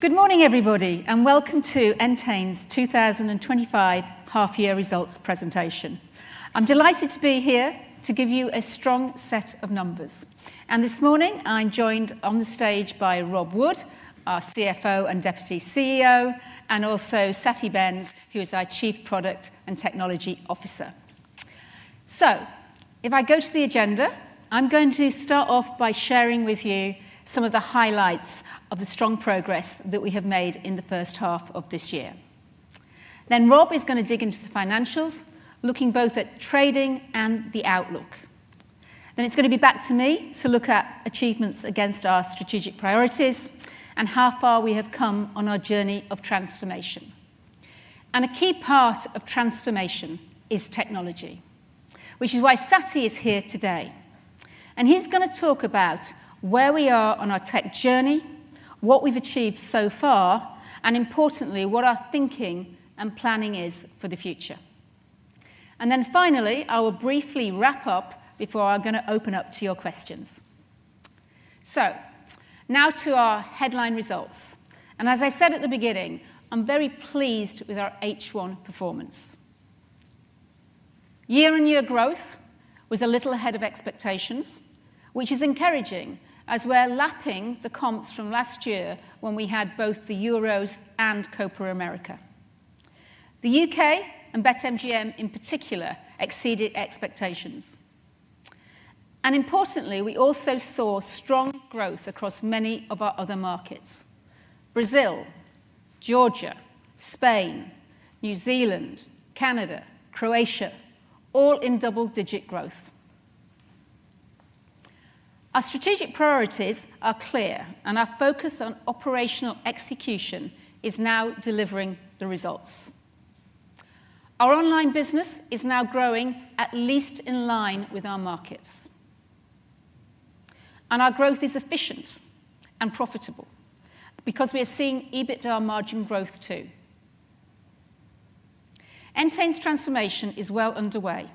Good morning, everybody, and welcome to Entain's 2025 Half-Year Results Presentation. I'm delighted to be here to give you a strong set of numbers. This morning, I'm joined on the stage by Rob Wood, our CFO and Deputy CEO, and also Satty Bhens, who is our Chief Product & Technology Officer. If I go to the agenda, I'm going to start off by sharing with you some of the highlights of the strong progress that we have made in the first half of this year. Rob is going to dig into the financials, looking both at trading and the outlook. It is going to be back to me to look at achievements against our strategic priorities and how far we have come on our journey of transformation. A key part of transformation is technology, which is why Satty is here today. He is going to talk about where we are on our tech journey, what we've achieved so far, and importantly, what our thinking and planning is for the future. Finally, I will briefly wrap up before I'm going to open up to your questions. Now to our headline results. As I said at the beginning, I'm very pleased with our H1 performance. Year on year growth was a little ahead of expectations, which is encouraging as we're lapping the comps from last year when we had both the Euros and Copa America. The UK and BetMGM in particular exceeded expectations. Importantly, we also saw strong growth across many of our other markets: Brazil, Georgia, Spain, New Zealand, Canada, Croatia, all in double-digit growth. Our strategic priorities are clear, and our focus on operational execution is now delivering the results. Our online business is now growing at least in line with our markets, and our growth is efficient and profitable because we are seeing EBITDA margin growth too. Entain's transformation is well underway,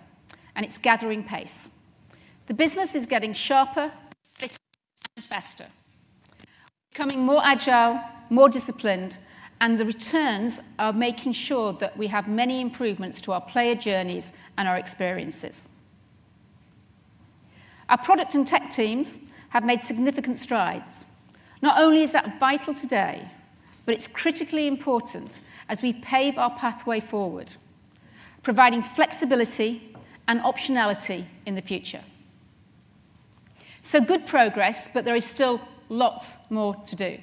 and it's gathering pace. The business is getting sharper, fitter, and faster, becoming more agile, more disciplined, and the returns are making sure that we have many improvements to our player journeys and our experiences. Our product and tech teams have made significant strides. Not only is that vital today, but it's critically important as we pave our pathway forward, providing flexibility and optionality in the future. Good progress, but there is still lots more to do.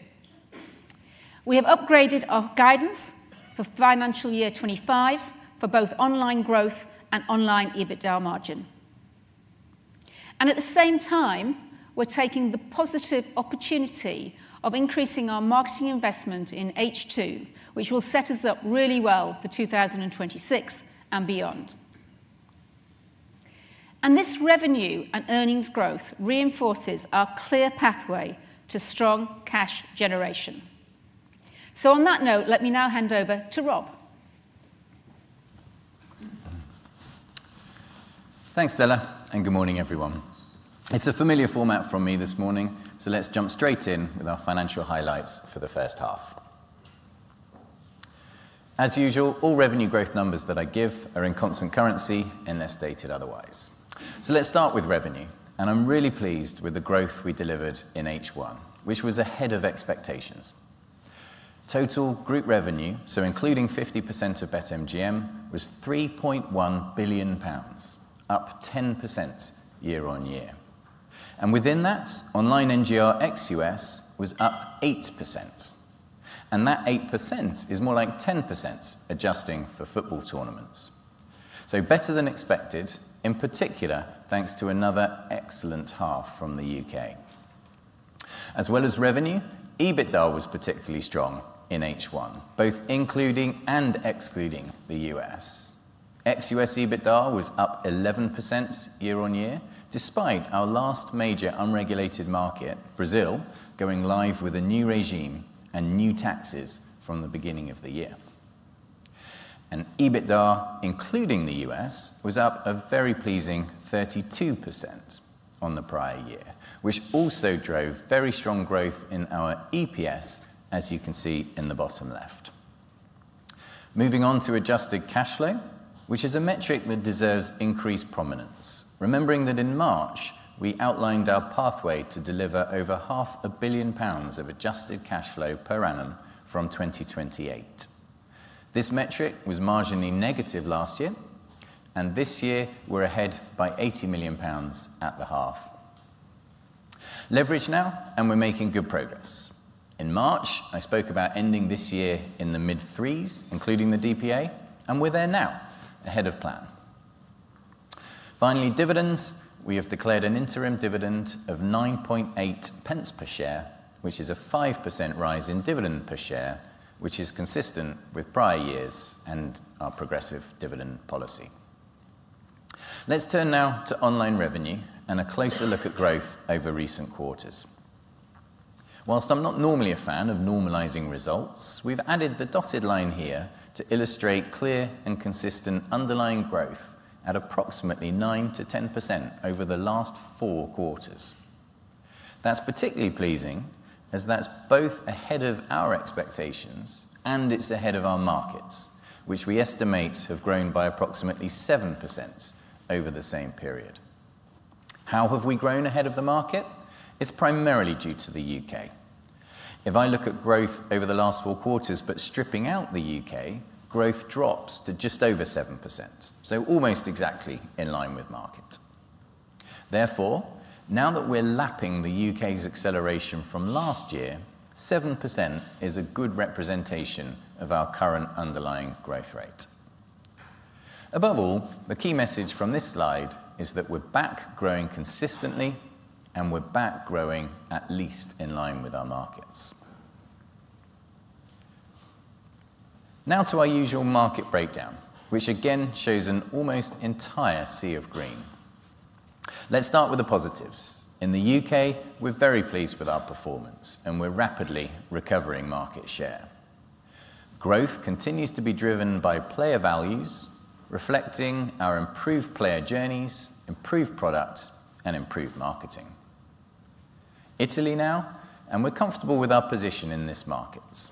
We have upgraded our guidance for financial year 2025 for both online growth and online EBITDA margin. At the same time, we're taking the positive opportunity of increasing our marketing investment in H2, which will set us up really well for 2026 and beyond. This revenue and earnings growth reinforces our clear pathway to strong cash generation. On that note, let me now hand over to Rob. Thanks, Stella, and good morning, everyone. It's a familiar format from me this morning, so let's jump straight in with our financial highlights for the first half. As usual, all revenue growth numbers that I give are in constant currency, unless dated otherwise. Let's start with revenue, and I'm really pleased with the growth we delivered in H1, which was ahead of expectations. Total group revenue, so including 50% of BetMGM, was 3.1 billion pounds, up 10% year on year. Within that, Online NGR (exc. US) was up 8%. That 8% is more like 10% adjusting for football tournaments. Better than expected, in particular thanks to another excellent half from the UK. As well as revenue, EBITDA was particularly strong in H1, both including and excluding the U.S. (exc. US) EBITDA was up 11% year on year, despite our last major unregulated market, Brazil, going live with a new regime and new taxes from the beginning of the year. EBITDA, including the U.S., was up a very pleasing 32% on the prior year, which also drove very strong growth in our EPS, as you can see in the bottom left. Moving on to adjusted cash flow, which is a metric that deserves increased prominence, remembering that in March, we outlined our pathway to deliver over half a billion pounds of adjusted cash flow per annum from 2028. This metric was marginally negative last year, and this year, we're ahead by 80 million pounds at the half. Leverage now, and we're making good progress. In March, I spoke about ending this year in the mid-threes, including the DPA, and we're there now, ahead of plan. Finally, dividends, we have declared an interim dividend of 0.098 per share, which is a 5% rise in dividend per share, which is consistent with prior years and our progressive dividend policy. Let's turn now to online revenue and a closer look at growth over recent quarters. Whilst I'm not normally a fan of normalizing results, we've added the dotted line here to illustrate clear and consistent underlying growth at approximately 9% to 10% over the last four quarters. That's particularly pleasing as that's both ahead of our expectations and it's ahead of our markets, which we estimate have grown by approximately 7% over the same period. How have we grown ahead of the market? It's primarily due to the UK. If I look at growth over the last four quarters, but stripping out the U.K., growth drops to just over 7%, so almost exactly in line with market. Therefore, now that we're lapping the UK's acceleration from last year, 7% is a good representation of our current underlying growth rate. Above all, the key message from this slide is that we're back growing consistently, and we're back growing at least in line with our markets. Now to our usual market breakdown, which again shows an almost entire sea of green. Let's start with the positives. In the U.K., we're very pleased with our performance, and we're rapidly recovering market share. Growth continues to be driven by player values, reflecting our improved player journeys, improved product, and improved marketing. Italy now, and we're comfortable with our position in this market.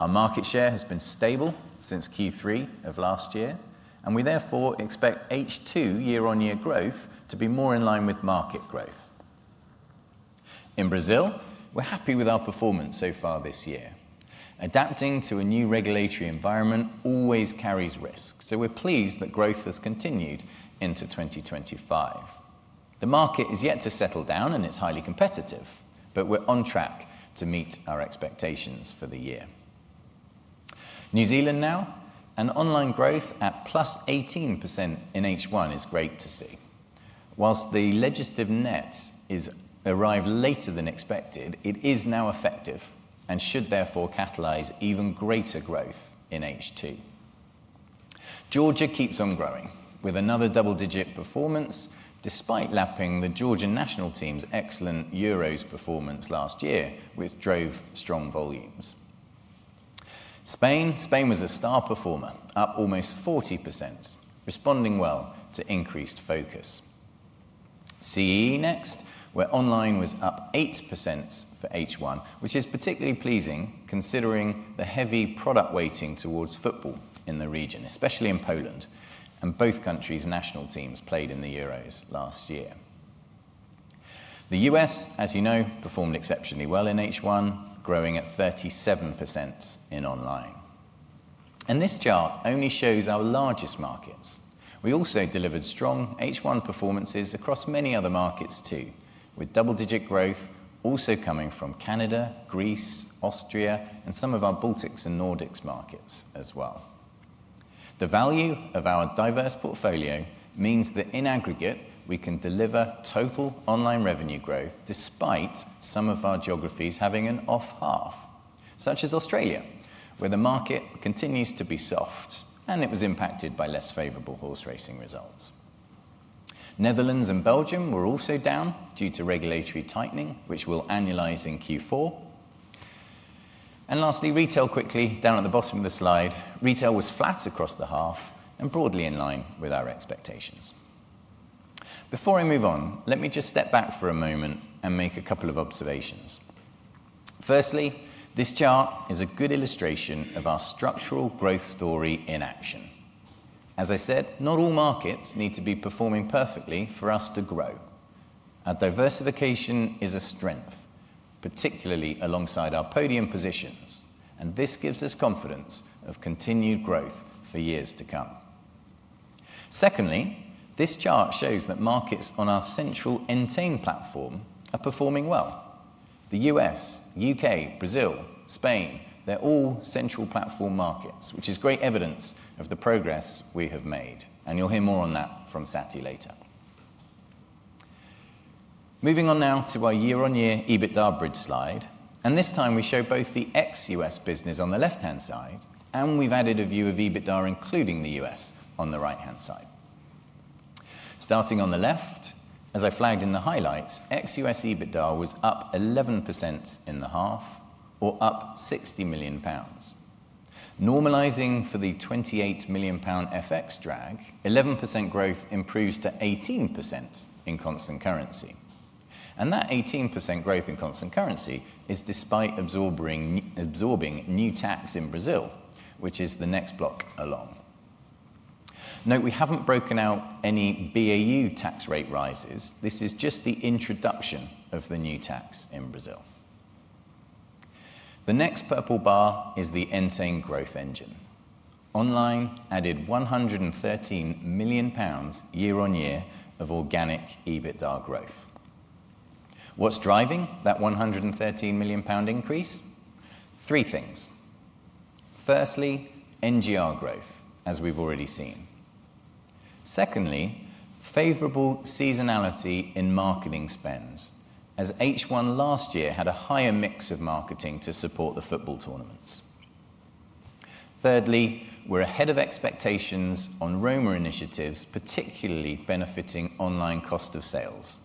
Our market share has been stable since Q3 of last year, and we therefore expect H2 year on year growth to be more in line with market growth. In Brazil, we're happy with our performance so far this year. Adapting to a new regulatory environment always carries risks, so we're pleased that growth has continued into 2025. The market is yet to settle down and is highly competitive, but we're on track to meet our expectations for the year. New Zealand now, and online growth at plus 18% in H1 is great to see. Whilst the legislative net arrived later than expected, it is now effective and should therefore catalyze even greater growth in H2. Georgia keeps on growing with another double-digit performance, despite lapping the Georgian national team's excellent Euros performance last year, which drove strong volumes. Spain, Spain was a star performer, up almost 40%, responding well to increased focus. CEE next, where online was up 8% for H1, which is particularly pleasing considering the heavy product weighting towards football in the region, especially in Poland, and both countries' national teams played in the Euros last year. The U.S., as you know, performed exceptionally well in H1, growing at 37% in online. This chart only shows our largest markets. We also delivered strong H1 performances across many other markets too, with double-digit growth also coming from Canada, Greece, Austria, and some of our Baltics and Nordics markets as well. The value of our diverse portfolio means that in aggregate, we can deliver total online revenue growth despite some of our geographies having an off-half, such as Australia, where the market continues to be soft and it was impacted by less favorable horse racing results. Netherlands and Belgium were also down due to regulatory tightening, which we'll analyze in Q4. Lastly, retail quickly, down at the bottom of the slide, retail was flat across the half and broadly in line with our expectations. Before I move on, let me just step back for a moment and make a couple of observations. Firstly, this chart is a good illustration of our structural growth story in action. As I said, not all markets need to be performing perfectly for us to grow. Our diversification is a strength, particularly alongside our podium positions, and this gives us confidence of continued growth for years to come. Secondly, this chart shows that markets on our central Entain platform are performing well. The U.S., U.K., Brazil, Spain, they're all central platform markets, which is great evidence of the progress we have made, and you'll hear more on that from Satty later. Moving on now to our year on year EBITDA bridge slide, and this time we show both the (exc. US) business on the left-hand side, and we've added a view of EBITDA including the U.S. on the right-hand side. Starting on the left, as I flagged in the highlights, (exc. US) EBITDA was up 11% in the half, or up 60 million pounds. Normalizing for the 28 million pound FX drag, 11% growth improves to 18% in constant currency. That 18% growth in constant currency is despite absorbing new tax in Brazil, which is the next block along. Note we haven't broken out any BAU tax rate rises, this is just the introduction of the new tax in Brazil. The next purple bar is the Entain growth engine. Online added 113 million pounds year on year of organic EBITDA growth. What's driving that 113 million pound increase? Three things. Firstly, NGR growth, as we've already seen. Secondly, favorable seasonality in marketing spends, as H1 last year had a higher mix of marketing to support the football tournaments. Thirdly, we're ahead of expectations on Roma initiatives, particularly benefiting online cost of sales,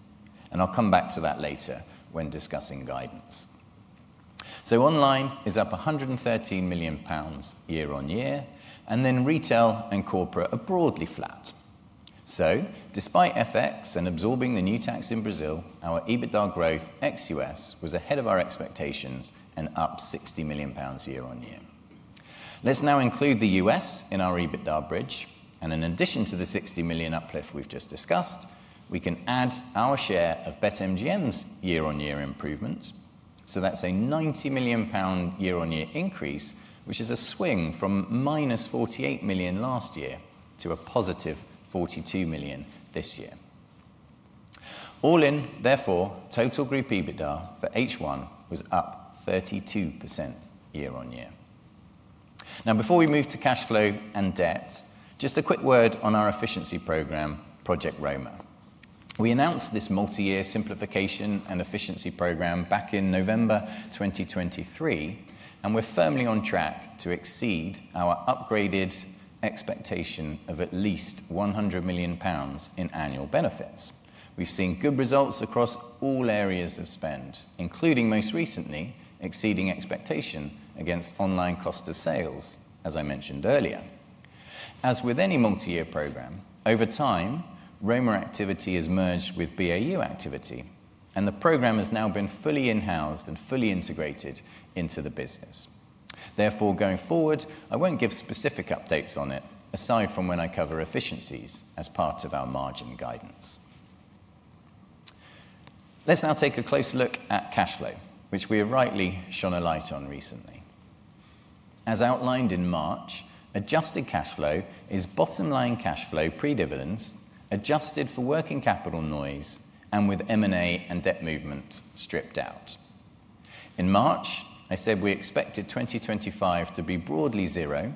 and I'll come back to that later when discussing guidance. Online is up 113 million pounds year on year, and then retail and corporate are broadly flat. Despite FX and absorbing the new tax in Brazil, our EBITDA growth (exc. US) was ahead of our expectations and up 60 million pounds year on year. Let's now include the U.S. in our EBITDA bridge, and in addition to the 60 million uplift we've just discussed, we can add our share of BetMGM's year on year improvement. That's a 90 million pound year on year increase, which is a swing from -48 million last year to a +42 million this year. All in, therefore, total group EBITDA for H1 was up 32% year on year. Now, before we move to cash flow and debt, just a quick word on our efficiency program, Project Roma. We announced this multi-year simplification and efficiency program back in November 2023, and we're firmly on track to exceed our upgraded expectation of at least 100 million pounds in annual benefits. We've seen good results across all areas of spend, including most recently exceeding expectation against online cost of sales, as I mentioned earlier. As with any multi-year program, over time, Roma activity has merged with BAU activity, and the program has now been fully in-house and fully integrated into the business. Therefore, going forward, I won't give specific updates on it, aside from when I cover efficiencies as part of our margin guidance. Let's now take a closer look at cash flow, which we have rightly shone a light on recently. As outlined in March, adjusted cash flow is bottom line cash flow pre-dividends, adjusted for working capital noise, and with M&A and debt movement stripped out. In March, I said we expected 2025 to be broadly zero,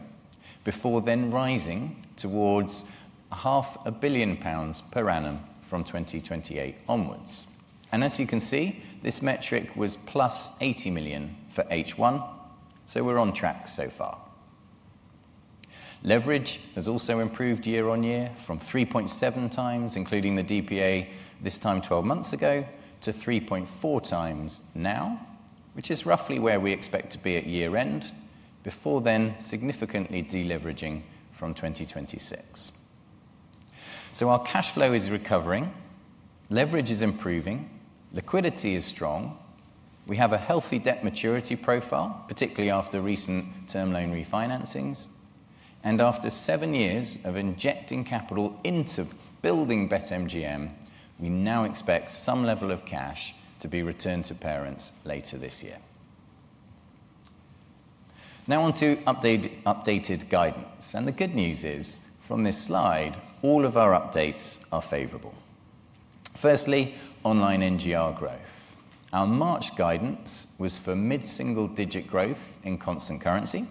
before then rising towards half a billion pounds per annum from 2028 onwards. As you can see, this metric was +80 million for H1, so we're on track so far. Leverage has also improved year on year from 3.7x, including the DPA, this time 12 months ago, to 3.4x now, which is roughly where we expect to be at year-end, before then significantly deleveraging from 2026. Our cash flow is recovering, leverage is improving, liquidity is strong, we have a healthy debt maturity profile, particularly after recent term loan refinancings, and after seven years of injecting capital into building BetMGM, we now expect some level of cash to be returned to parents later this year. Now on to updated guidance, and the good news is, from this slide, all of our updates are favorable. Firstly, online NGR growth. Our March guidance was for mid-single-digit growth in constant currency,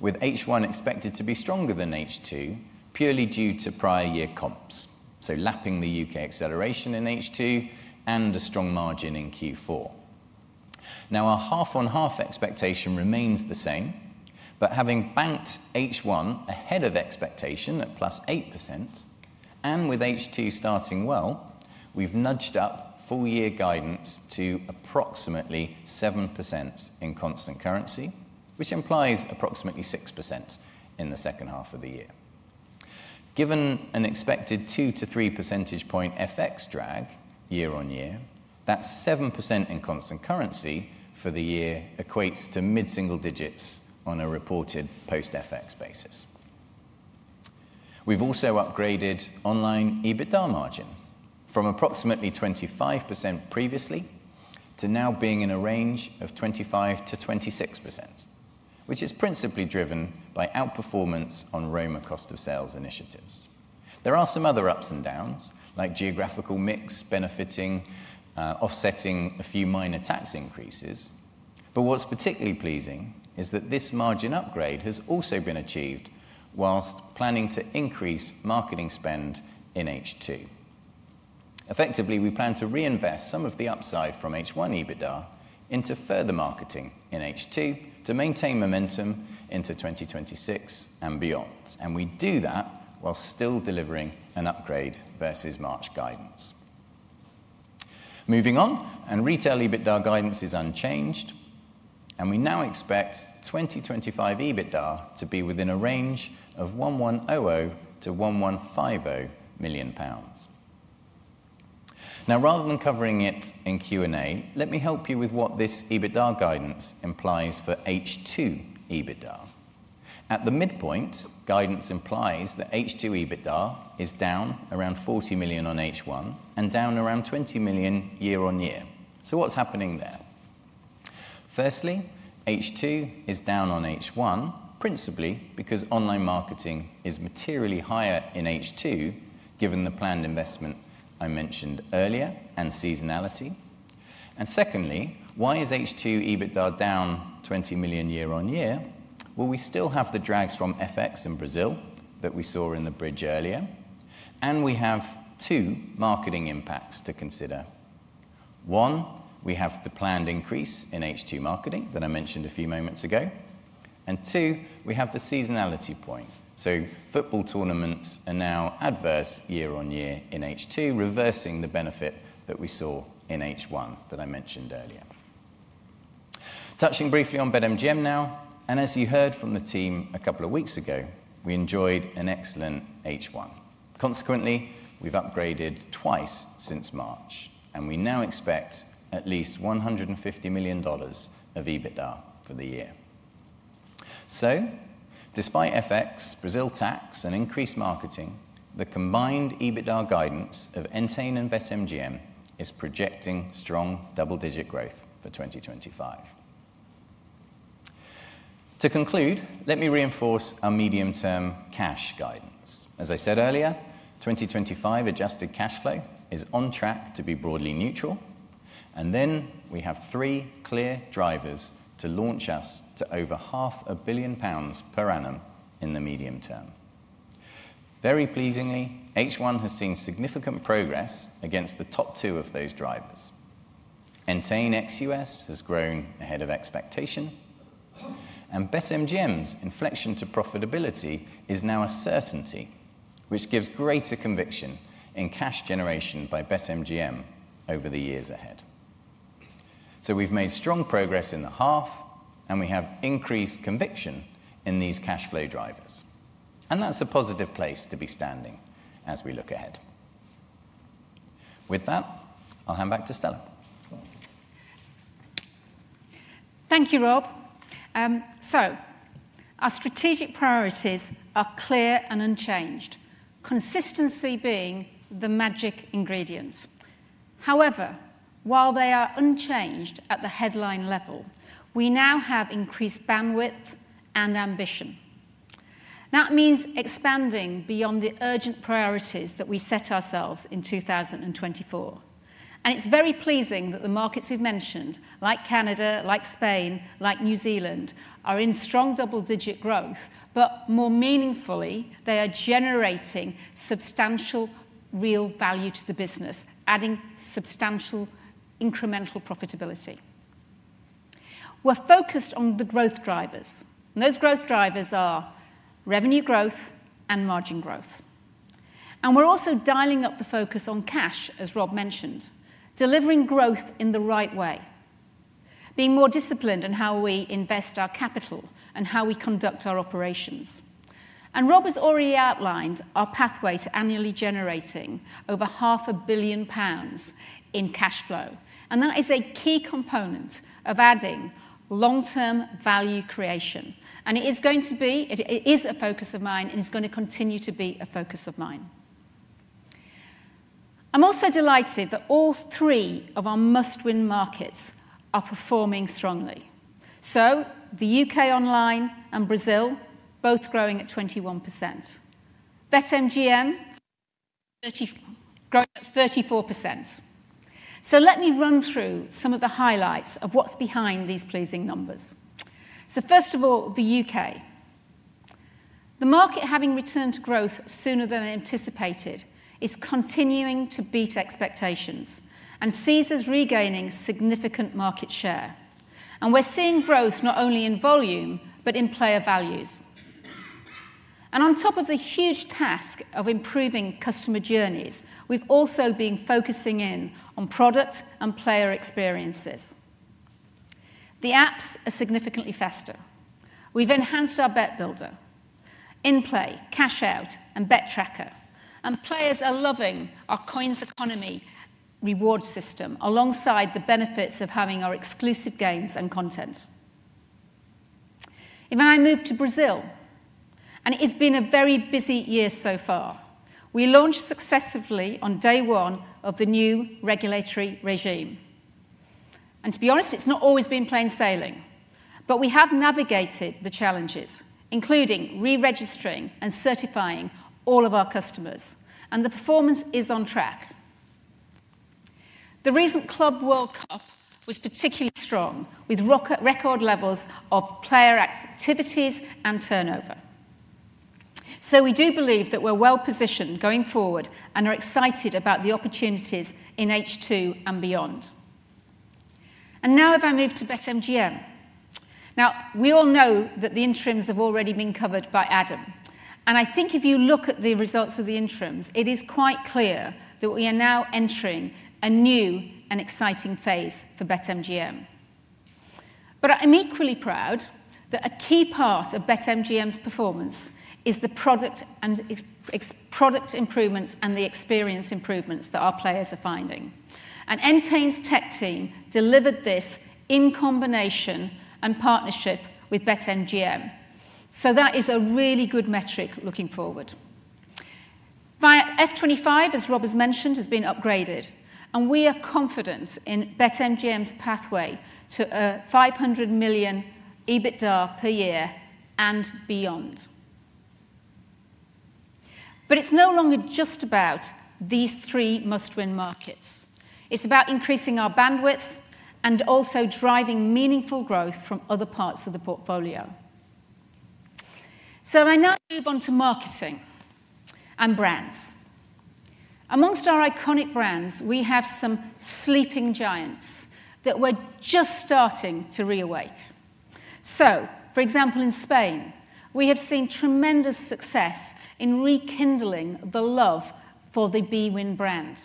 with H1 expected to be stronger than H2, purely due to prior year comps, so lapping the UK acceleration in H2 and a strong margin in Q4. Now, our half-on-half expectation remains the same, but having banked H1 ahead of expectation at +8%, and with H2 starting well, we've nudged up full-year guidance to approximately 7% in constant currency, which implies approximately 6% in the second half of the year. Given an expected 2 to 3 percentage point FX drag year on year, that 7% in constant currency for the year equates to mid-single digits on a reported post-FX basis. We've also upgraded online EBITDA margin from approximately 25% previously to now being in a range of 25%-26%, which is principally driven by outperformance on Project Roma cost of sales initiatives. There are some other ups and downs, like geographical mix benefiting, offsetting a few minor tax increases, but what's particularly pleasing is that this margin upgrade has also been achieved whilst planning to increase marketing spend in H2. Effectively, we plan to reinvest some of the upside from H1 EBITDA into further marketing in H2 to maintain momentum into 2026 and beyond, and we do that while still delivering an upgrade versus March guidance. Moving on, retail EBITDA guidance is unchanged, and we now expect 2025 EBITDA to be within a range of 1,100 million-1,150 million pounds. Now, rather than covering it in Q&A, let me help you with what this EBITDA guidance implies for H2 EBITDA. At the midpoint, guidance implies that H2 EBITDA is down around 40 million on H1 and down around 20 million year on year. What's happening there? Firstly, H2 is down on H1, principally because online marketing is materially higher in H2, given the planned investment I mentioned earlier and seasonality. Secondly, why is H2 EBITDA down 20 million year on year? We still have the drags from FX in Brazil that we saw in the bridge earlier, and we have two marketing impacts to consider. One, we have the planned increase in H2 marketing that I mentioned a few moments ago, and two, we have the seasonality point. Football tournaments are now adverse year on year in H2, reversing the benefit that we saw in H1 that I mentioned earlier. Touching briefly on BetMGM now, as you heard from the team a couple of weeks ago, we enjoyed an excellent H1. Consequently, we've upgraded twice since March, and we now expect at least $150 million of EBITDA for the year. Despite FX, Brazil tax, and increased marketing, the combined EBITDA guidance of Entain and BetMGM is projecting strong double-digit growth for 2025. To conclude, let me reinforce our medium-term cash guidance. As I said earlier, 2025 adjusted cash flow is on track to be broadly neutral, and we have three clear drivers to launch us to over 500 million pounds per annum in the medium term. Very pleasingly, H1 has seen significant progress against the top two of those drivers. Entain's (exc. US) has grown ahead of expectation, and BetMGM's inflection to profitability is now a certainty, which gives greater conviction in cash generation by BetMGM over the years ahead. We have made strong progress in the half, and we have increased conviction in these cash flow drivers. That's a positive place to be standing as we look ahead. With that, I'll hand back to Stella. Thank you, Rob. Our strategic priorities are clear and unchanged, consistency being the magic ingredient. However, while they are unchanged at the headline level, we now have increased bandwidth and ambition. That means expanding beyond the urgent priorities that we set ourselves in 2024. It's very pleasing that the markets we've mentioned, like Canada, like Spain, like New Zealand, are in strong double-digit growth, but more meaningfully, they are generating substantial real value to the business, adding substantial incremental profitability. We're focused on the growth drivers, and those growth drivers are revenue growth and margin growth. We're also dialing up the focus on cash, as Rob mentioned, delivering growth in the right way, being more disciplined in how we invest our capital and how we conduct our operations. Rob has already outlined our pathway to annually generating over 500 million pounds in cash flow, and that is a key component of adding long-term value creation. It is going to be, it is a focus of mine, and it's going to continue to be a focus of mine. I'm also delighted that all three of our must-win markets are performing strongly. The UK online and Brazil, both growing at 21%. BetMGM, 34%. Let me run through some of the highlights of what's behind these pleasing numbers. First of all, the UK. The market having returned to growth sooner than anticipated is continuing to beat expectations and sees us regaining significant market share. We're seeing growth not only in volume, but in player values. On top of the huge task of improving customer journeys, we've also been focusing in on product and player experiences. The apps are significantly faster. We've enhanced our bet builder, in-play, cash-out, and bet tracker, and players are loving our coins economy reward system alongside the benefits of having our exclusive games and content. If I move to Brazil, it's been a very busy year so far, we launched successfully on day one of the new regulatory regime. To be honest, it's not always been plain sailing, but we have navigated the challenges, including re-registering and certifying all of our customers, and the performance is on track. The recent Club World Cup was particularly strong, with record levels of player activities and turnover. We do believe that we're well positioned going forward and are excited about the opportunities in H2 and beyond. If I move to BetMGM, we all know that the interims have already been covered by Adam, and I think if you look at the results of the interims, it is quite clear that we are now entering a new and exciting phase for BetMGM. I'm equally proud that a key part of BetMGM's performance is the product improvements and the experience improvements that our players are finding. Entain's tech team delivered this in combination and partnership with BetMGM. That is a really good metric looking forward. By FY 2025, as Rob has mentioned, has been upgraded, and we are confident in BetMGM's pathway to a 500 million EBITDA per year and beyond. It is no longer just about these three must-win markets. It's about increasing our bandwidth and also driving meaningful growth from other parts of the portfolio. I now move on to marketing and brands. Amongst our iconic brands, we have some sleeping giants that we're just starting to reawaken. For example, in Spain, we have seen tremendous success in rekindling the love for the bwin brand.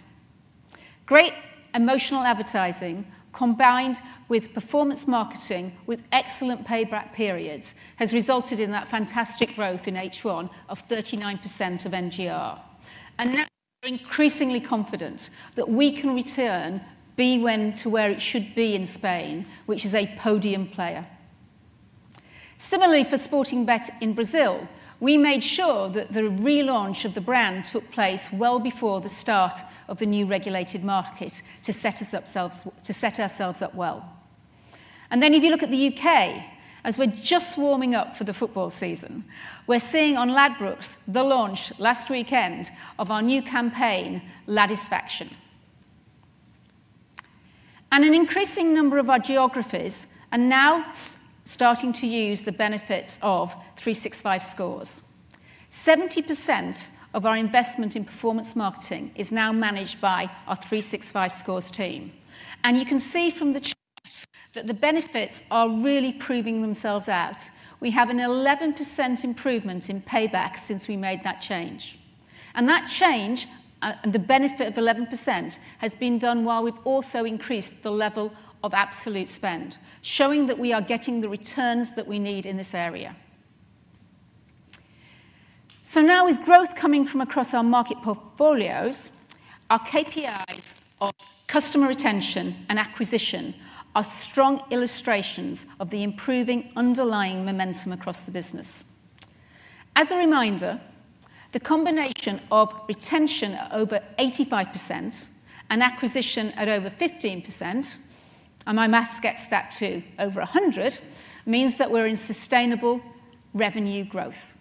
Great emotional advertising combined with performance marketing with excellent payback periods has resulted in that fantastic growth in H1 of 39% of NGR. We are increasingly confident that we can return bwin to where it should be in Spain, which is a podium player. Similarly, for Sportingbet in Brazil, we made sure that the relaunch of the brand took place well before the start of the new regulated market to set ourselves up well. If you look at the UK, as we're just warming up for the football season, we're seeing on Ladbrokes the launch last weekend of our new campaign, Ladisfaction. An increasing number of our geographies are now starting to use the benefits of 365 Scores. 70% of our investment in performance marketing is now managed by our 365 Scores team. You can see from the chart that the benefits are really proving themselves out. We have an 11% improvement in payback since we made that change. That change and the benefit of 11% has been done while we've also increased the level of absolute spend, showing that we are getting the returns that we need in this area. With growth coming from across our market portfolios, our KPIs of customer retention and acquisition are strong illustrations of the improving underlying momentum across the business. As a reminder, the combination of retention at over 85% and acquisition at over 15%, and my maths gets that too, over 100, means that we're in sustainable revenue growth.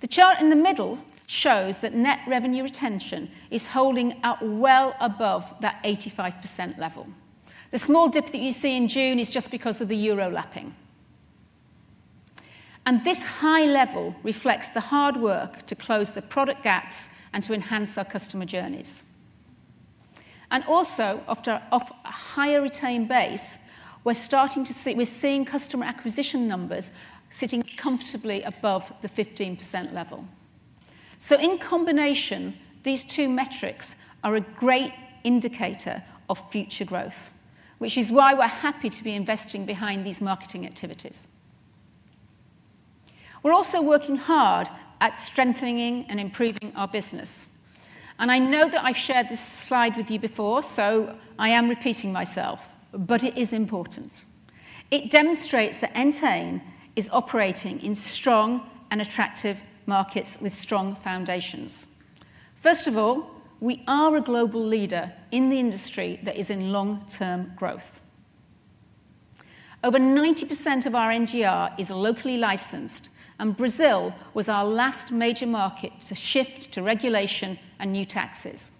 The chart in the middle shows that net revenue retention is holding up well above that 85% level. The small dip that you see in June is just because of the Euro lapping. This high level reflects the hard work to close the product gaps and to enhance our customer journeys. Also, after a higher retained base, we're starting to see, we're seeing customer acquisition numbers sitting comfortably above the 15% level. In combination, these two metrics are a great indicator of future growth, which is why we're happy to be investing behind these marketing activities. We're also working hard at strengthening and improving our business. I know that I've shared this slide with you before, so I am repeating myself, but it is important. It demonstrates that Entain is operating in strong and attractive markets with strong foundations. First of all, we are a global leader in the industry that is in long-term growth. Over 90% of our NGR is locally licensed, and Brazil was our last major market to shift to regulation and new taxes.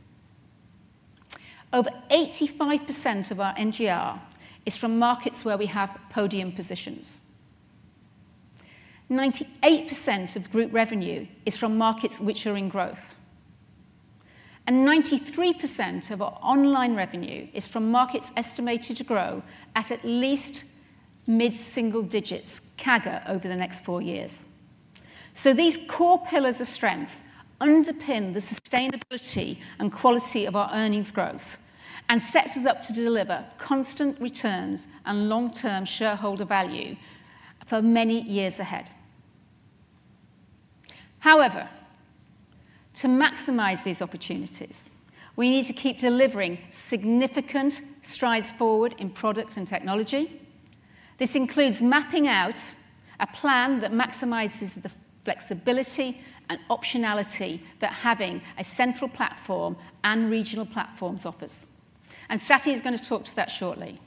Over 85% of our NGR is from markets where we have podium positions. 98% of group revenue is from markets which are in growth. 93% of our online revenue is from markets estimated to grow at at least mid-single digits, CAGR, over the next four years. These core pillars of strength underpin the sustainability and quality of our earnings growth and set us up to deliver constant returns and long-term shareholder value for many years ahead. However, to maximize these opportunities, we need to keep delivering significant strides forward in product and technology. This includes mapping out a plan that maximizes the flexibility and optionality that having a central platform and regional platforms offers. Satty is going to talk to that shortly.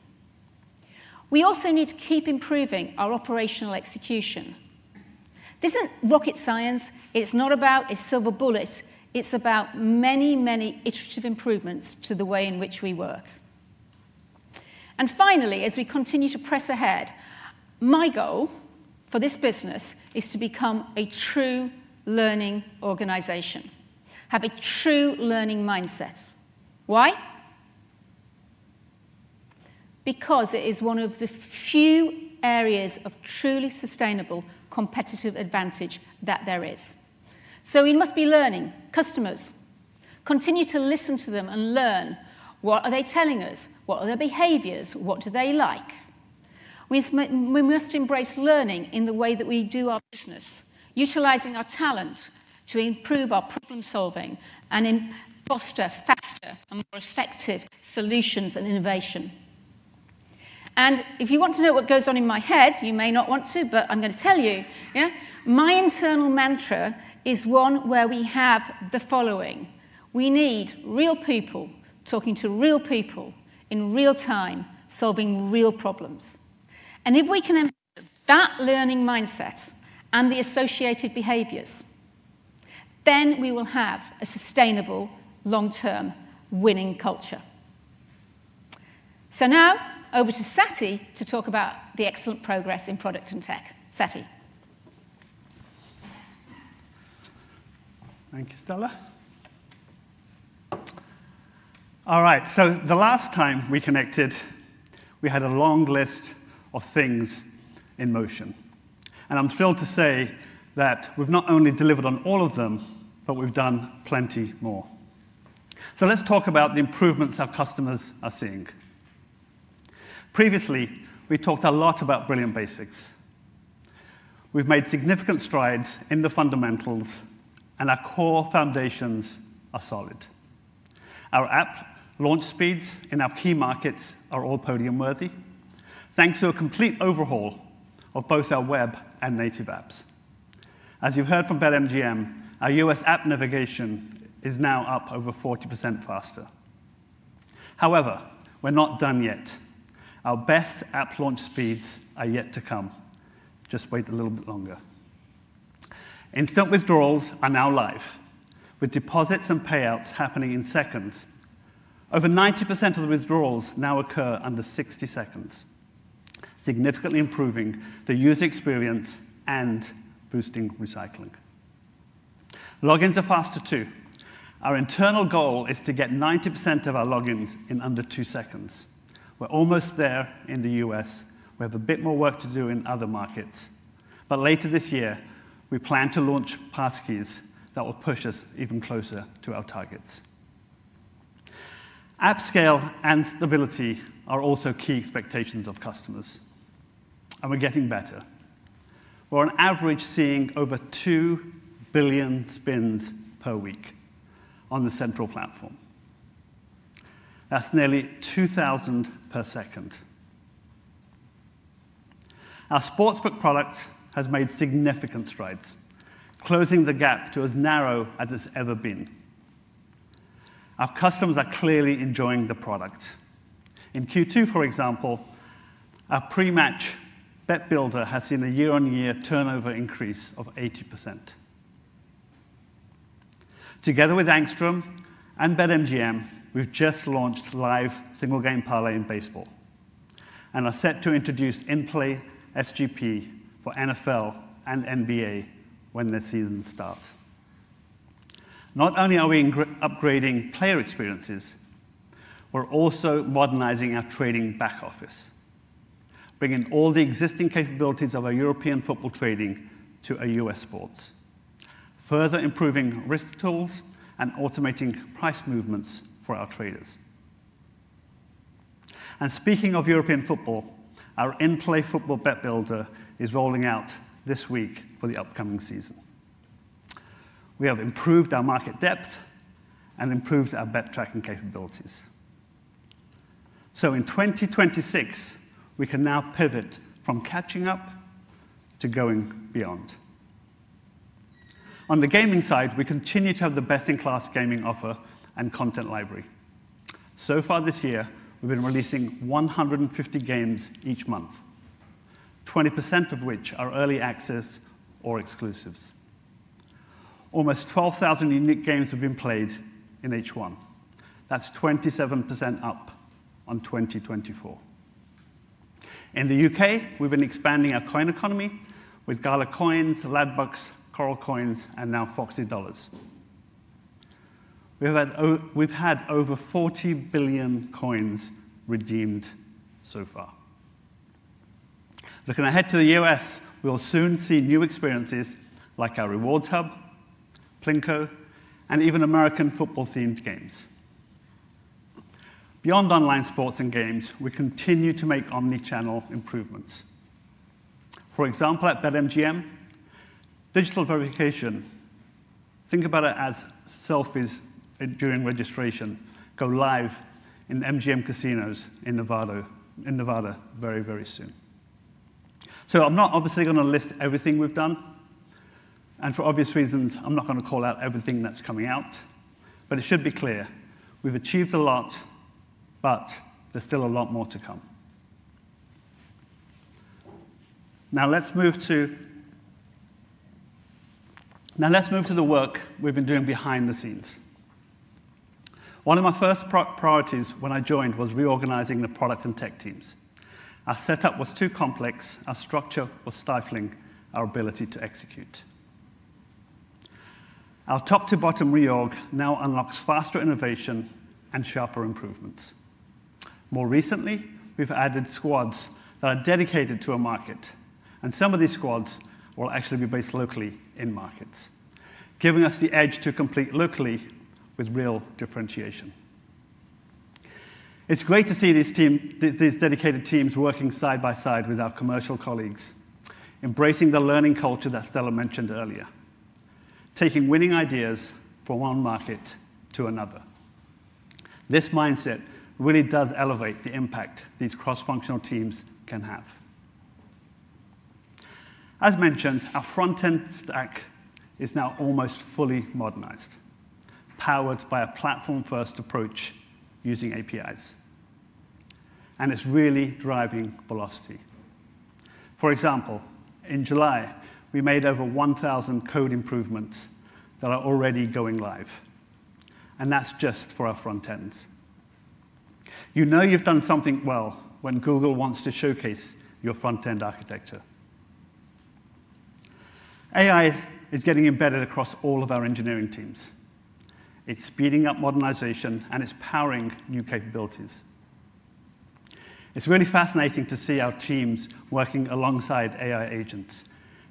We also need to keep improving our operational execution. This isn't rocket science. It's not about a silver bullet. It's about many, many iterative improvements to the way in which we work. Finally, as we continue to press ahead, my goal for this business is to become a true learning organization, have a true learning mindset. Why? Because it is one of the few areas of truly sustainable competitive advantage that there is. We must be learning. Customers, continue to listen to them and learn. What are they telling us? What are their behaviors? What do they like? We must embrace learning in the way that we do our business, utilizing our talent to improve our problem-solving and foster faster and more effective solutions and innovation. If you want to know what goes on in my head, you may not want to, but I'm going to tell you, my internal mantra is one where we have the following. We need real people talking to real people in real time, solving real problems. If we can have that learning mindset and the associated behaviors, then we will have a sustainable, long-term winning culture. Now, over to Satty to talk about the excellent progress in product and tech. Satty. Thank you, Stella. All right, the last time we connected, we had a long list of things in motion. I'm thrilled to say that we've not only delivered on all of them, but we've done plenty more. Let's talk about the improvements our customers are seeing. Previously, we talked a lot about Brilliant Basics. We've made significant strides in the fundamentals, and our core foundations are solid. Our app launch speeds in our key markets are all podium-worthy, thanks to a complete overhaul of both our web and native apps. As you've heard from BetMGM, our US app navigation is now up over 40% faster. However, we're not done yet. Our best app launch speeds are yet to come. Just wait a little bit longer. Instant withdrawals are now live, with deposits and payouts happening in seconds. Over 90% of the withdrawals now occur under 60 seconds, significantly improving the user experience and boosting recycling. Logins are faster too. Our internal goal is to get 90% of our logins in under two seconds. We're almost there in the U.S. We have a bit more work to do in other markets. Later this year, we plan to launch Passkeys that will push us even closer to our targets. App scale and stability are also key expectations of customers, and we're getting better. We're on average seeing over 2 billion spins per week on the central platform. That's nearly 2,000 per second. Our sportsbook product has made significant strides, closing the gap to as narrow as it's ever been. Our customers are clearly enjoying the product. In Q2, for example, our pre-match bet builder has seen a year on year turnover increase of 80%. Together with Angstrom and BetMGM, we've just launched live single-game parlay in baseball and are set to introduce in-play SGP for NFL and NBA when their seasons start. Not only are we upgrading player experiences, we're also modernizing our trading back office, bringing all the existing capabilities of our European football trading to our US sports, further improving risk tools and automating price movements for our traders. Speaking of European football, our in-play football bet builder is rolling out this week for the upcoming season. We have improved our market depth and improved our bet tracking capabilities. In 2026, we can now pivot from catching up to going beyond. On the gaming side, we continue to have the best-in-class gaming offer and content library. So far this year, we've been releasing 150 games each month, 20% of which are early access or exclusives. Almost 12,000 unique games have been played in H1. That's 27% up on 2024. In the U.K., we've been expanding our coin economy with Gala Coins, Ladbrokes, Coral Coins, and now Foxy Dollars. We've had over 40 billion coins redeemed so far. Looking ahead to the U.S., we'll soon see new experiences like our Rewards Hub, Plinko, and even American football-themed games. Beyond online sports and games, we continue to make omnichannel improvements. For example, at BetMGM, digital verification. Think about it as selfies during registration go live in MGM Resorts casinos in Nevada very, very soon. I'm not obviously going to list everything we've done, and for obvious reasons, I'm not going to call out everything that's coming out, but it should be clear. We've achieved a lot, but there's still a lot more to come. Now let's move to the work we've been doing behind the scenes. One of my first priorities when I joined was reorganizing the product and tech teams. Our setup was too complex. Our structure was stifling our ability to execute. Our top-to-bottom reorg now unlocks faster innovation and sharper improvements. More recently, we've added squads that are dedicated to a market, and some of these squads will actually be based locally in markets, giving us the edge to compete locally with real differentiation. It's great to see these dedicated teams working side by side with our commercial colleagues, embracing the learning culture that Stella mentioned earlier, taking winning ideas from one market to another. This mindset really does elevate the impact these cross-functional teams can have. As mentioned, our front-end stack is now almost fully modernized, powered by a platform-first approach using APIs, and it's really driving velocity. For example, in July, we made over 1,000 code improvements that are already going live, and that's just for our front ends. You know you've done something well when Google wants to showcase your front-end architecture. AI is getting embedded across all of our engineering teams. It's speeding up modernization, and it's powering new capabilities. It's really fascinating to see our teams working alongside AI agents,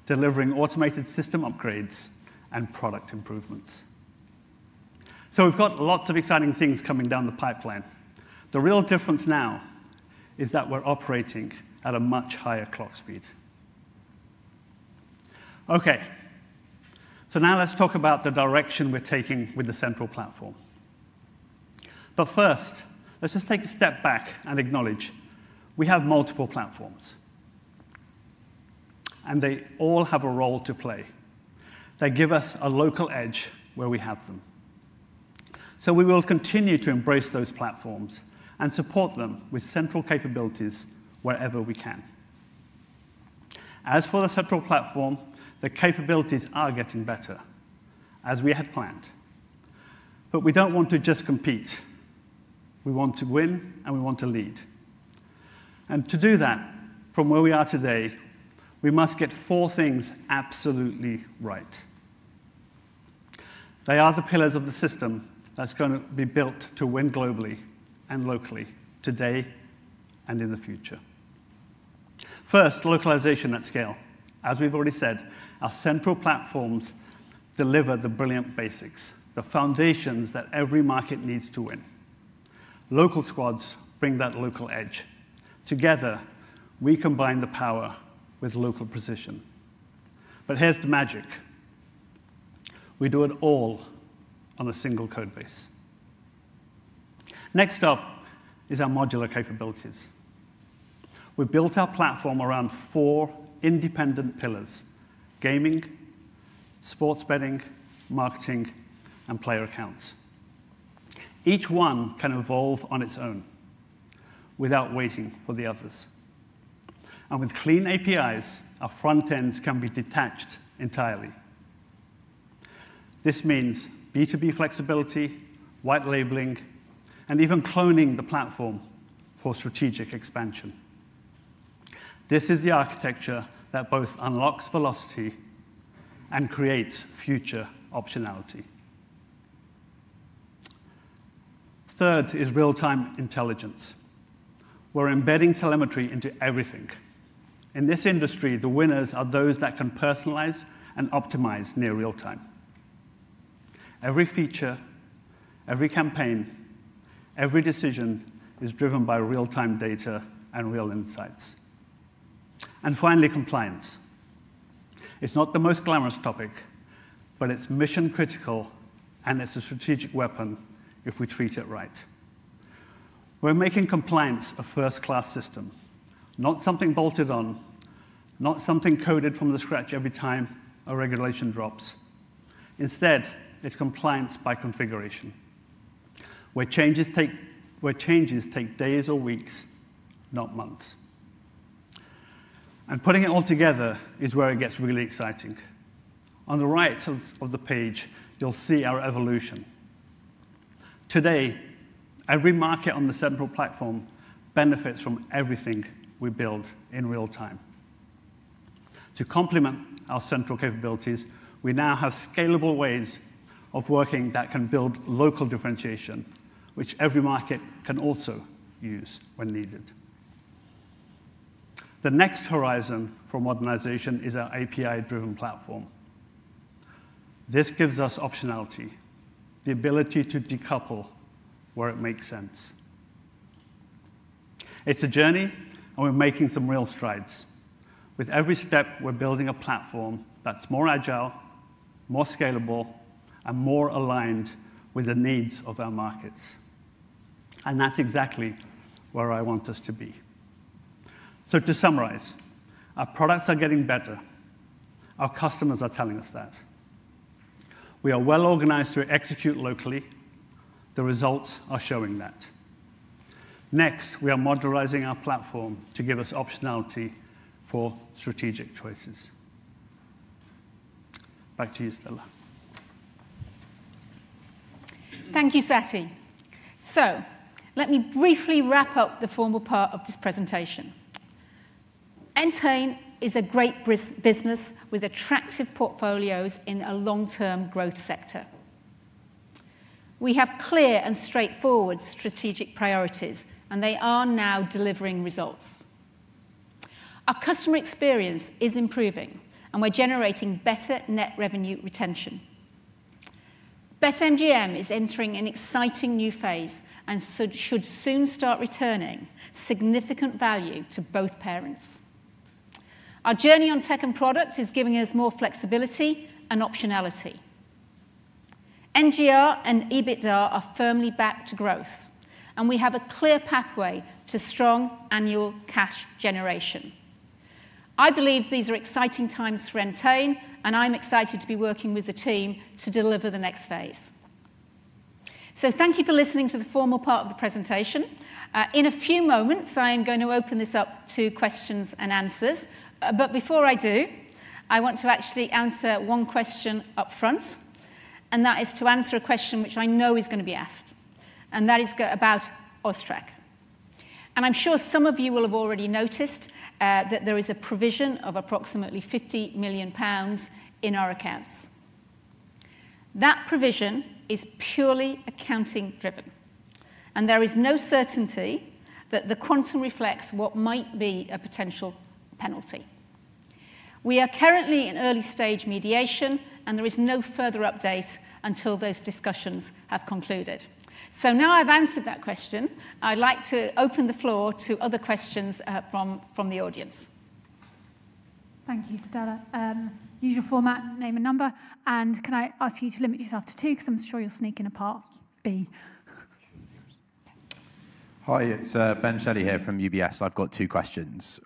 delivering automated system upgrades and product improvements. We've got lots of exciting things coming down the pipeline. The real difference now is that we're operating at a much higher clock speed. Okay, so now let's talk about the direction we're taking with the central platform. First, let's just take a step back and acknowledge we have multiple platforms, and they all have a role to play. They give us a local edge where we have them. We will continue to embrace those platforms and support them with central capabilities wherever we can. As for the central platform, the capabilities are getting better, as we had planned. We don't want to just compete. We want to win, and we want to lead. To do that, from where we are today, we must get four things absolutely right. They are the pillars of the system that's going to be built to win globally and locally today and in the future. First, localization at scale. As we've already said, our central platforms deliver the brilliant basics, the foundations that every market needs to win. Local squads bring that local edge. Together, we combine the power with local precision. Here's the magic. We do it all on a single code base. Next up is our modular capabilities. We built our platform around four independent pillars: gaming, sports betting, marketing, and player accounts. Each one can evolve on its own without waiting for the others. With clean APIs, our front ends can be detached entirely. This means B2B flexibility, white labeling, and even cloning the platform for strategic expansion. This is the architecture that both unlocks velocity and creates future optionality. Third is real-time intelligence. We're embedding telemetry into everything. In this industry, the winners are those that can personalize and optimize near real-time. Every feature, every campaign, every decision is driven by real-time data and real insights. Finally, compliance. It's not the most glamorous topic, but it's mission-critical, and it's a strategic weapon if we treat it right. We're making compliance a first-class system, not something bolted on, not something coded from scratch every time a regulation drops. Instead, it's compliance by configuration, where changes take days or weeks, not months. Putting it all together is where it gets really exciting. On the right of the page, you'll see our evolution. Today, every market on the central platform benefits from everything we build in real-time. To complement our central capabilities, we now have scalable ways of working that can build local differentiation, which every market can also use when needed. The next horizon for modernization is our API-driven central platform. This gives us optionality, the ability to decouple where it makes sense. It's a journey, and we're making some real strides. With every step, we're building a platform that's more agile, more scalable, and more aligned with the needs of our markets. That is exactly where I want us to be. To summarize, our products are getting better. Our customers are telling us that. We are well organized to execute locally. The results are showing that. Next, we are modernizing our platform to give us optionality for strategic choices. Back to you, Stella. Thank you, Satty. Let me briefly wrap up the formal part of this presentation. Entain is a great business with attractive portfolios in a long-term growth sector. We have clear and straightforward strategic priorities, and they are now delivering results. Our customer experience is improving, and we're generating better net revenue retention. BetMGM is entering an exciting new phase and should soon start returning significant value to both parents. Our journey on tech and product is giving us more flexibility and optionality. NGR and EBITDA are firmly back to growth, and we have a clear pathway to strong annual cash generation. I believe these are exciting times for Entain, and I'm excited to be working with the team to deliver the next phase. Thank you for listening to the formal part of the presentation. In a few moments, I am going to open this up to questions and answers. Before I do, I want to actually answer one question up front, and that is to answer a question which I know is going to be asked, and that is about OSTRAC. I'm sure some of you will have already noticed that there is a provision of approximately 50 million pounds in our accounts. That provision is purely accounting-driven, and there is no certainty that the quantum reflects what might be a potential penalty. We are currently in early-stage mediation, and there is no further update until those discussions have concluded. Now I've answered that question, I'd like to open the floor to other questions from the audience. Thank you, Stella. Use your format, name and number, and can I ask you to limit yourself to two because I'm sure you're sneaking a part B? Hi, it's Ben Shelley here from UBS. I've got two questions.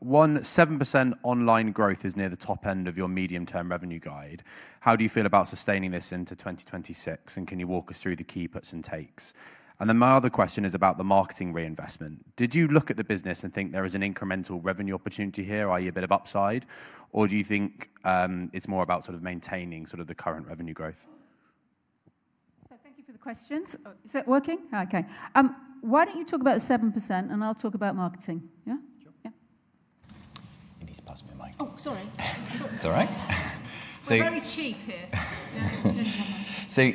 One, 7% online growth is near the top end of your medium-term revenue guide. How do you feel about sustaining this into 2026, and can you walk us through the key puts and takes? My other question is about the marketing reinvestment. Did you look at the business and think there is an incremental revenue opportunity here? Are you a bit of upside, or do you think it's more about sort of maintaining sort of the current revenue growth? Thank you for the questions. Is that working? Okay. Why don't you talk about 7%, and I'll talk about marketing? Yeah? Sure. Yeah. I think he's passed me a mic. Oh, sorry. It's all right. I'm very cheap here.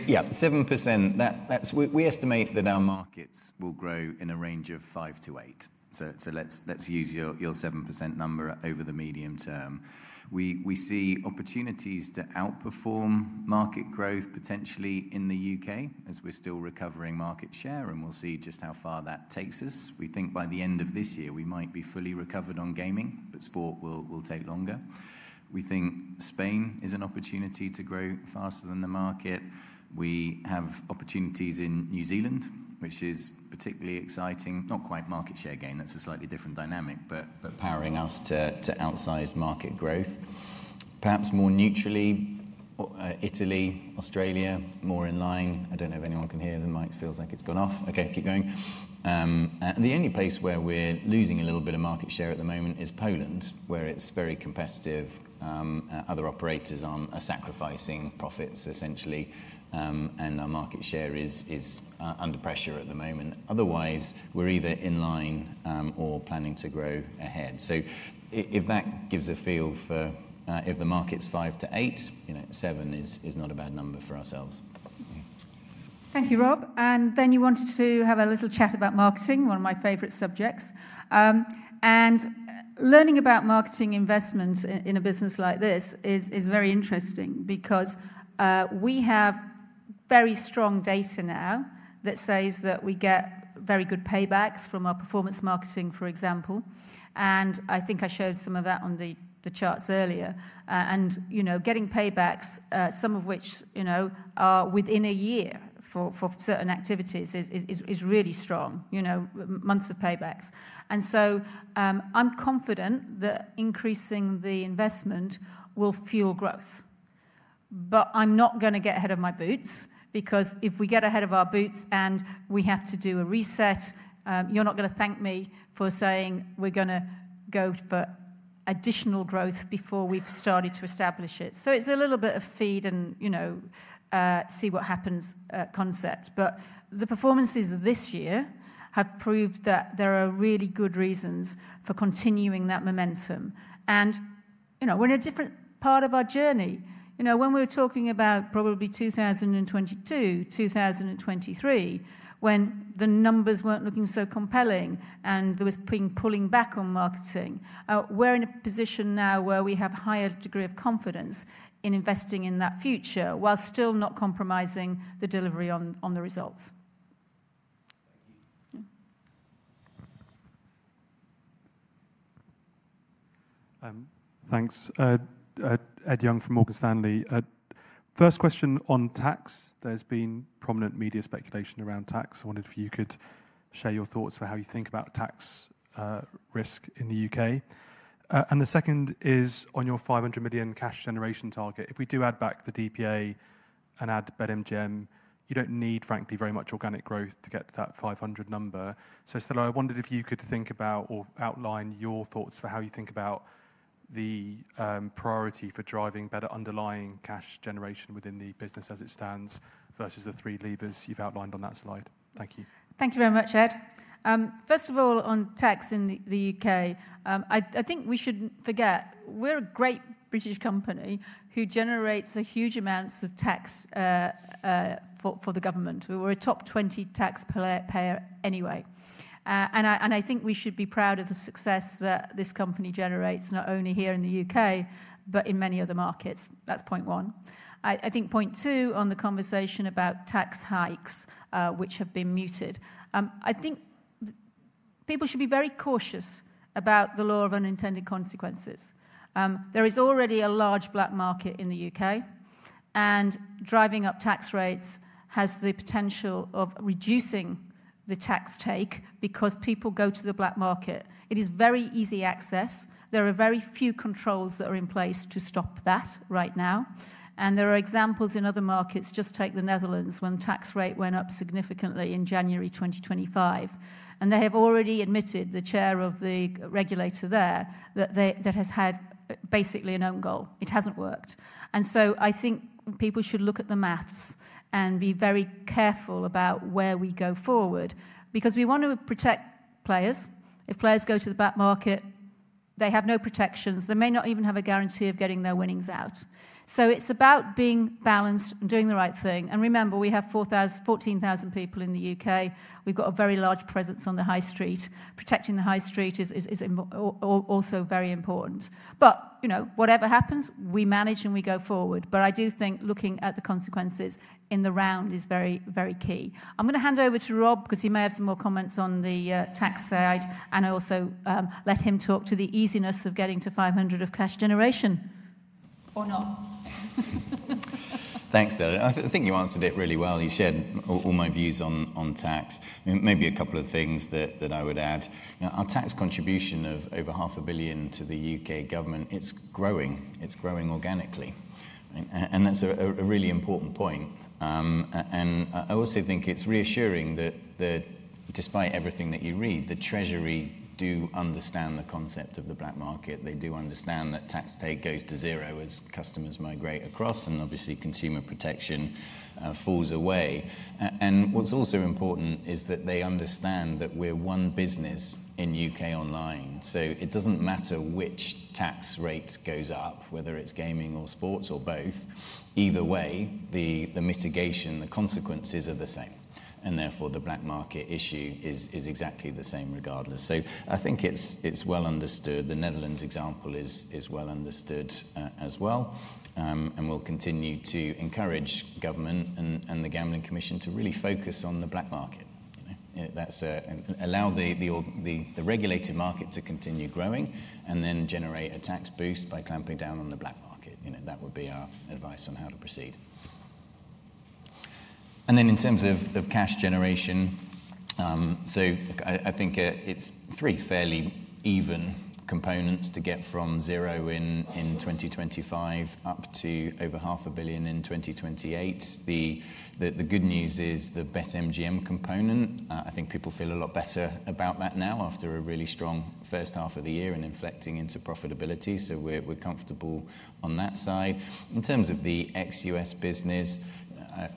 Yeah, 7%. We estimate that our markets will grow in a range of 5%-8%. Let's use your 7% number over the medium term. We see opportunities to outperform market growth potentially in the U.K. as we're still recovering market share, and we'll see just how far that takes us. We think by the end of this year, we might be fully recovered on gaming, but sport will take longer. We think Spain is an opportunity to grow faster than the market. We have opportunities in New Zealand, which is particularly exciting. Not quite market share gain, that's a slightly different dynamic, but powering us to outsize market growth. Perhaps more neutrally, Italy and Australia are more in line. I don't know if anyone can hear the mic. It feels like it's gone off. Okay, keep going. The only place where we're losing a little bit of market share at the moment is Poland, where it's very competitive. Other operators are sacrificing profits, essentially, and our market share is under pressure at the moment. Otherwise, we're either in line or planning to grow ahead. If that gives a feel for if the market's 5%-8%, you know, 7% is not a bad number for ourselves. Thank you, Rob. You wanted to have a little chat about marketing, one of my favorite subjects. Learning about marketing investment in a business like this is very interesting because we have very strong data now that says that we get very good paybacks from our performance marketing, for example. I think I showed some of that on the charts earlier. Getting paybacks, some of which are within a year for certain activities, is really strong, months of paybacks. I'm confident that increasing the investment will fuel growth. I'm not going to get ahead of my boots because if we get ahead of our boots and we have to do a reset, you're not going to thank me for saying we're going to go for additional growth before we've started to establish it. It's a little bit of feed and see what happens concept. The performances this year have proved that there are really good reasons for continuing that momentum. We're in a different part of our journey. When we were talking about probably 2022, 2023, when the numbers weren't looking so compelling and there was been pulling back on marketing, we're in a position now where we have a higher degree of confidence in investing in that future while still not compromising the delivery on the results. Thanks. Ed Young from Morgan Stanley. First question on tax. There's been prominent media speculation around tax. I wondered if you could share your thoughts for how you think about tax risk in the UK. The second is on your 500 million cash generation target. If we do add back the DPA and add BetMGM, you don't need, frankly, very much organic growth to get to that 500 million number. Stella, I wondered if you could think about or outline your thoughts for how you think about the priority for driving better underlying cash generation within the business as it stands versus the three levers you've outlined on that slide. Thank you. Thank you very much, Ed. First of all, on tax in the U.K., I think we shouldn't forget we're a great British company who generates huge amounts of tax for the government. We were a top 20 taxpayer anyway, and I think we should be proud of the success that this company generates, not only here in the U.K., but in many other markets. That's point one. I think point two on the conversation about tax hikes, which have been mooted, people should be very cautious about the law of unintended consequences. There is already a large black market in the U.K., and driving up tax rates has the potential of reducing the tax take because people go to the black market. It is very easy access. There are very few controls that are in place to stop that right now. There are examples in other markets, just take the Netherlands, when the tax rate went up significantly in January 2025. They have already admitted, the chair of the regulator there, that it has had basically an own goal. It hasn't worked. I think people should look at the maths and be very careful about where we go forward because we want to protect players. If players go to the black market, they have no protections. They may not even have a guarantee of getting their winnings out. It's about being balanced and doing the right thing. Remember, we have 14,000 people in the UK. We've got a very large presence on the High Street. Protecting the High Street is also very important. Whatever happens, we manage and we go forward. I do think looking at the consequences in the round is very, very key. I'm going to hand over to Rob because he may have some more comments on the tax side, and I'll also let him talk to the easiness of getting to 500 million of cash generation or not. Thanks, Stella. I think you answered it really well. You shared all my views on tax. Maybe a couple of things that I would add. Our tax contribution of over 500 million to the UK government is growing. It's growing organically, and that's a really important point. I also think it's reassuring that despite everything that you read, the Treasury do understand the concept of the black market. They do understand that tax take goes to zero as customers migrate across, and obviously consumer protection falls away. What's also important is that they understand that we're one business in UK online. It doesn't matter which tax rate goes up, whether it's gaming or sports or both. Either way, the mitigation, the consequences are the same. Therefore, the black market issue is exactly the same regardless. I think it's well understood. The Netherlands example is well understood as well. We'll continue to encourage government and the Gambling Commission to really focus on the black market. Allow the regulated market to continue growing and then generate a tax boost by clamping down on the black market. That would be our advice on how to proceed. In terms of cash generation, I think it's three fairly even components to get from zero in 2025 up to over 500 million in 2028. The good news is the BetMGM component. I think people feel a lot better about that now after a really strong first half of the year and inflecting into profitability. We're comfortable on that side. In terms of the (exc. US) business,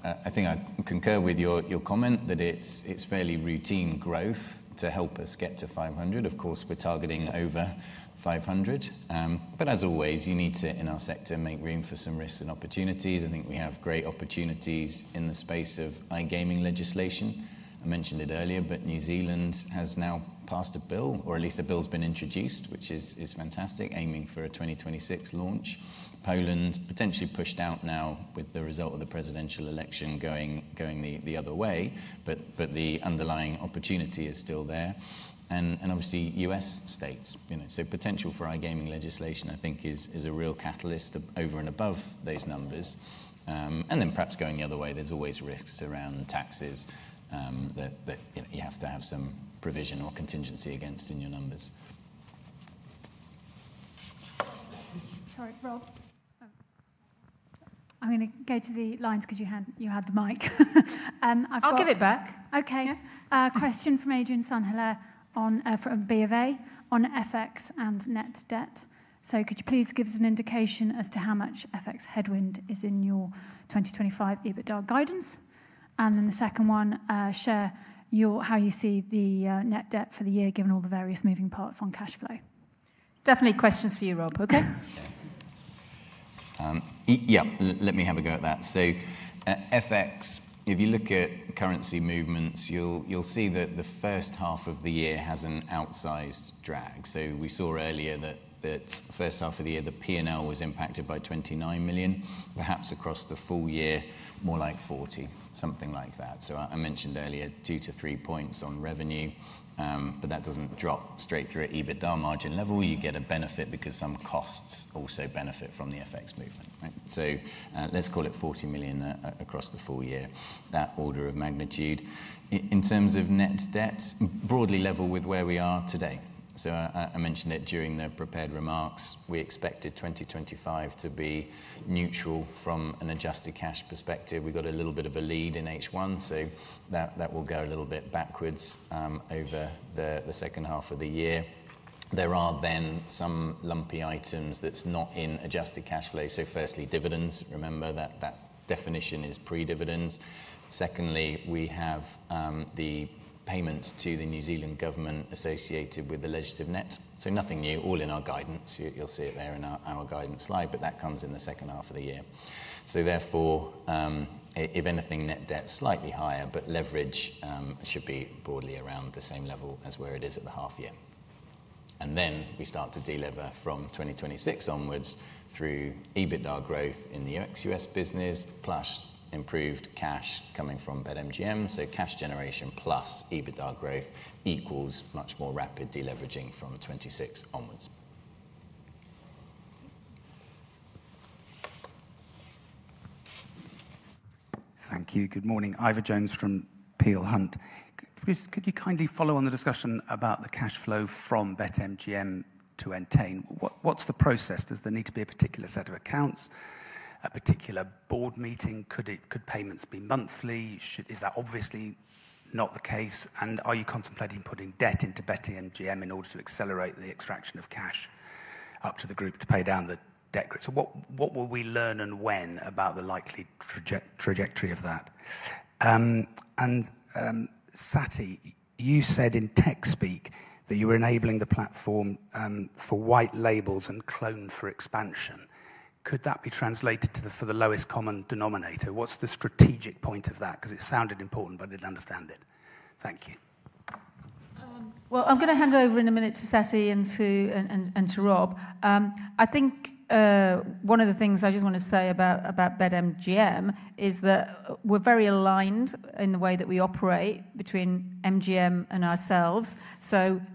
I concur with your comment that it's fairly routine growth to help us get to 500 million. Of course, we're targeting over 500 million. As always, you need to, in our sector, make room for some risks and opportunities. I think we have great opportunities in the space of iGaming legislation. I mentioned it earlier, but New Zealand has now passed a bill, or at least a bill has been introduced, which is fantastic, aiming for a 2026 launch. Poland's potentially pushed out now with the result of the presidential election going the other way, but the underlying opportunity is still there. Obviously, U.S. states, you know, so potential for iGaming legislation, I think, is a real catalyst over and above those numbers. Perhaps going the other way, there's always risks around taxes that you have to have some provision or contingency against in your numbers. Sorry, Rob. I'm going to go to the lines because you had the mic. I'll give it back. Okay. Question from Adrien de Saint Hilaire from Bank of America on FX and net debt. Could you please give us an indication as to how much FX headwind is in your 2025 EBITDA guidance? The second one, share how you see the net debt for the year, given all the various moving parts on cash flow. Definitely questions for you, Rob. Okay. Yeah, let me have a go at that. FX, if you look at currency movements, you'll see that the first half of the year has an outsized drag. We saw earlier that the first half of the year, the P&L was impacted by $29 million. Perhaps across the full year, more like $40 million, something like that. I mentioned earlier, 2%-3% on revenue, but that doesn't drop straight through at EBITDA margin level. You get a benefit because some costs also benefit from the FX movement. Let's call it $40 million across the full year, that order of magnitude. In terms of net debt, broadly level with where we are today. I mentioned that during the prepared remarks, we expected 2025 to be neutral from an adjusted cash perspective. We got a little bit of a lead in H1, so that will go a little bit backwards over the second half of the year. There are then some lumpy items that's not in adjusted cash flow. Firstly, dividends. Remember that that definition is pre-dividends. Secondly, we have the payments to the New Zealand government associated with the legislative net. Nothing new, all in our guidance. You'll see it there in our guidance slide, but that comes in the second half of the year. Therefore, if anything, net debt is slightly higher, but leverage should be broadly around the same level as where it is at the half year. We start to deliver from 2026 onwards through EBITDA growth in the (exc. US) business plus improved cash coming from BetMGM. Cash generation plus EBITDA growth equals much more rapid deleveraging from 2026 onwards. Thank you. Good morning. Ivor Jones from Peel Hunt. Could you kindly follow on the discussion about the cash flow from BetMGM to Entain? What's the process? Does there need to be a particular set of accounts, a particular board meeting? Could payments be monthly? Is that obviously not the case? Are you contemplating putting debt into BetMGM in order to accelerate the extraction of cash up to the group to pay down the debt grid? What will we learn and when about the likely trajectory of that? Satty, you said in tech speak that you were enabling the platform for white labels and clone for expansion. Could that be translated for the lowest common denominator? What's the strategic point of that? It sounded important, but I didn't understand it. Thank you. I'm going to hand over in a minute to Satty and to Rob. I think one of the things I just want to say about BetMGM is that we're very aligned in the way that we operate between MGM Resorts and ourselves.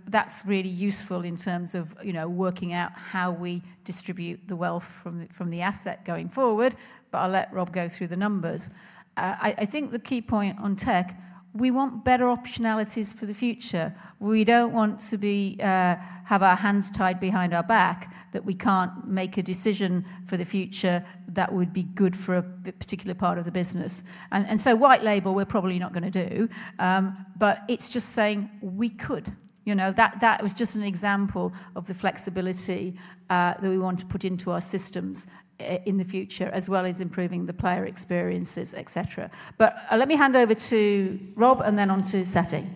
That's really useful in terms of working out how we distribute the wealth from the asset going forward. I'll let Rob go through the numbers. I think the key point on tech, we want better optionalities for the future. We don't want to have our hands tied behind our back that we can't make a decision for the future that would be good for a particular part of the business. White label we're probably not going to do, but it's just saying we could. That was just an example of the flexibility that we want to put into our systems in the future, as well as improving the player experiences, etc. Let me hand over to Rob and then on to Satty.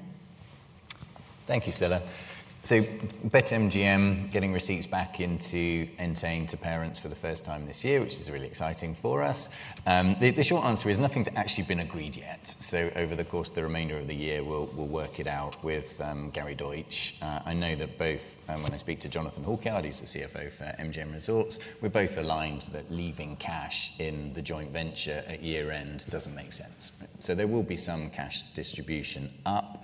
Thank you, Stella. BetMGM getting receipts back into Entain's parents for the first time this year, which is really exciting for us. The short answer is nothing's actually been agreed yet. Over the course of the remainder of the year, we'll work it out with Gary Deutsch. I know that both, when I speak to Jonathan Halkyard, he's the CFO for MGM Resorts, we're both aligned that leaving cash in the joint venture at year end doesn't make sense. There will be some cash distribution up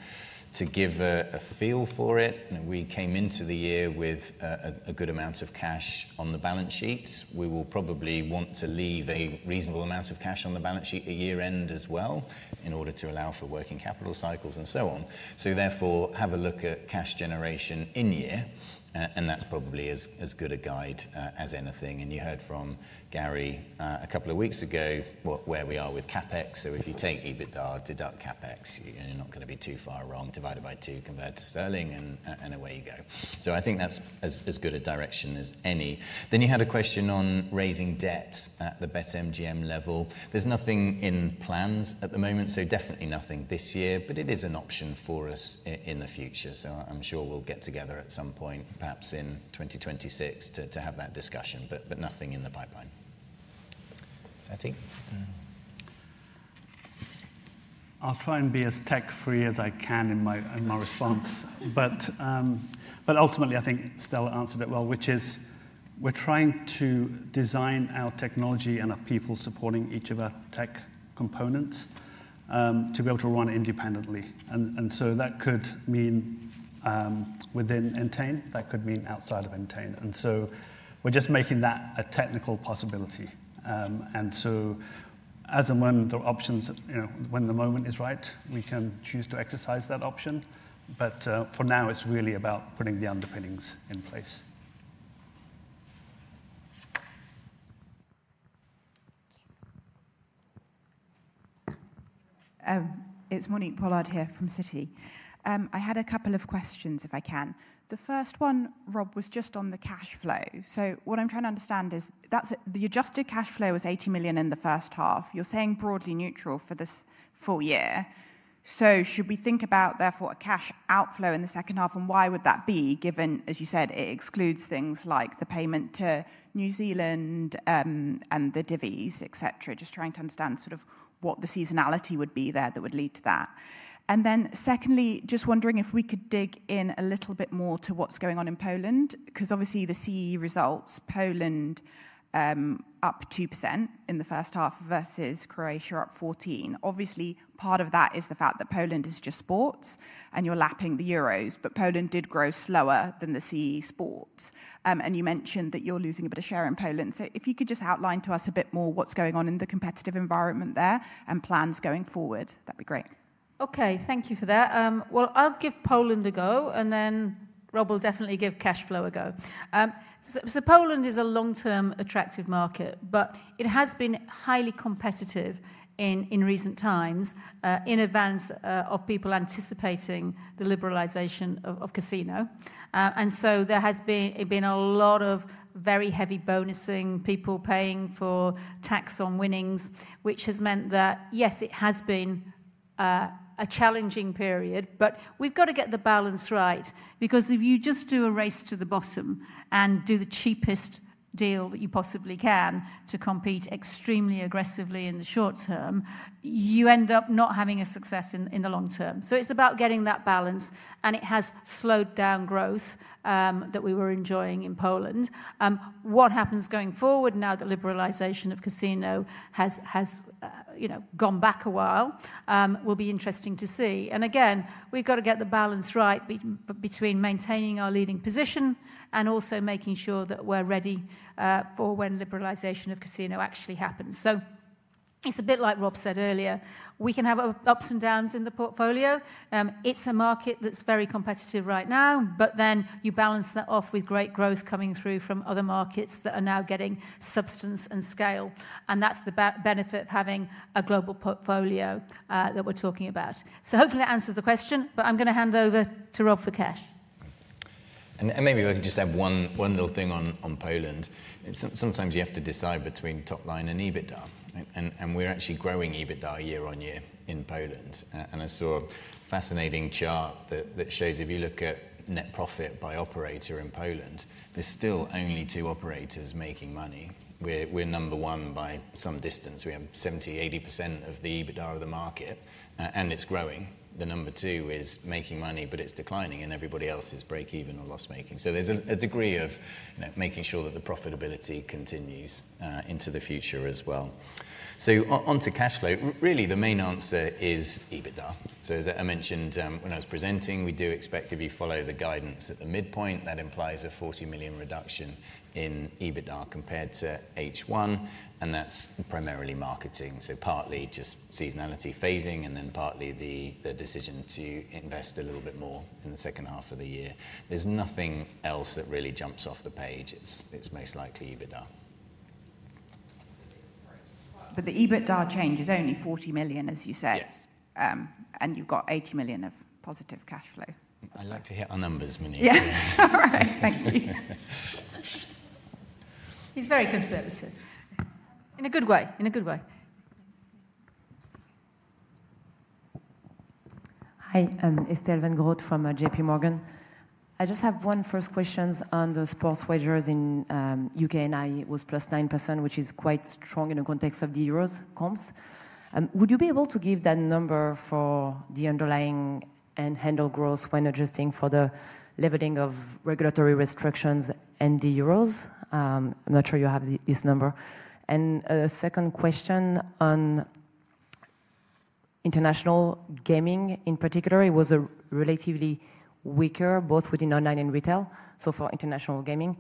to give a feel for it. We came into the year with a good amount of cash on the balance sheets. We will probably want to leave a reasonable amount of cash on the balance sheet at year end as well, in order to allow for working capital cycles and so on. Therefore, have a look at cash generation in year, and that's probably as good a guide as anything. You heard from Gary a couple of weeks ago where we are with CapEx. If you take EBITDA, deduct CapEx, you're not going to be too far wrong. Divide it by two, convert to sterling, and away you go. I think that's as good a direction as any. You had a question on raising debt at the BetMGM level. There's nothing in plans at the moment, definitely nothing this year, but it is an option for us in the future. I'm sure we'll get together at some point, perhaps in 2026, to have that discussion, but nothing in the pipeline. Satty? I'll try and be as tech-free as I can in my response, but ultimately, I think Stella answered it well, which is we're trying to design our technology and our people supporting each of our tech components to be able to run independently. That could mean within Entain, that could mean outside of Entain. We're just making that a technical possibility. As and when the options, you know, when the moment is right, we can choose to exercise that option. For now, it's really about putting the underpinnings in place. It's Monique Pollard here from Citi. I had a couple of questions, if I can. The first one, Rob, was just on the cash flow. What I'm trying to understand is that the adjusted cash flow was 80 million in the first half. You're saying broadly neutral for this full year. Should we think about therefore a cash outflow in the second half? Why would that be, given, as you said, it excludes things like the payment to New Zealand and the dividends, etc.? Just trying to understand sort of what the seasonality would be there that would lead to that. Secondly, just wondering if we could dig in a little bit more to what's going on in Poland, because obviously the CE results, Poland up 2% in the first half versus Croatia up 14%. Obviously, part of that is the fact that Poland is just sports and you're lapping the Euros, but Poland did grow slower than the CE sports. You mentioned that you're losing a bit of share in Poland. If you could just outline to us a bit more what's going on in the competitive environment there and plans going forward, that'd be great. Thank you for that. I'll give Poland a go, and then Rob will definitely give cash flow a go. Poland is a long-term attractive market, but it has been highly competitive in recent times in advance of people anticipating the liberalization of casino. There has been a lot of very heavy bonusing, people paying for tax on winnings, which has meant that, yes, it has been a challenging period, but we've got to get the balance right, because if you just do a race to the bottom and do the cheapest deal that you possibly can to compete extremely aggressively in the short term, you end up not having a success in the long term. It's about getting that balance, and it has slowed down growth that we were enjoying in Poland. What happens going forward now that liberalization of casino has, you know, gone back a while will be interesting to see. We've got to get the balance right between maintaining our leading position and also making sure that we're ready for when liberalization of casino actually happens. It's a bit like Rob said earlier. We can have ups and downs in the portfolio. It's a market that's very competitive right now, but you balance that off with great growth coming through from other markets that are now getting substance and scale. That's the benefit of having a global portfolio that we're talking about. Hopefully that answers the question, but I'm going to hand over to Rob for cash. Maybe I can just add one little thing on Poland. Sometimes you have to decide between top line and EBITDA. We're actually growing EBITDA year on year in Poland. I saw a fascinating chart that shows if you look at net profit by operator in Poland, there's still only two operators making money. We're number one by some distance. We have 70%-80% of the EBITDA of the market, and it's growing. The number two is making money, but it's declining, and everybody else is break-even or loss-making. There's a degree of making sure that the profitability continues into the future as well. Onto cash flow, really the main answer is EBITDA. As I mentioned when I was presenting, we do expect if you follow the guidance at the midpoint, that implies a 40 million reduction in EBITDA compared to H1, and that's primarily marketing. It's partly just seasonality phasing and then partly the decision to invest a little bit more in the second half of the year. There's nothing else that really jumps off the page. It's most likely EBITDA. The EBITDA change is only 40 million, as you said, and you've got 80 million of positive cash flow. I like to hit our numbers, Monique. All right, thank you. He's very conservative, in a good way, in a good way. Hi, Estelle Weingrod from JPMorgan. I just have one first question on the sports wagers in the UK. It was +9%, which is quite strong in the context of the Euros comps. Would you be able to give that number for the underlying and handle growth when adjusting for the leveling of regulatory restrictions and the Euros? I'm not sure you have this number. A second question on international gaming in particular. It was relatively weaker, both within online and retail. For international gaming,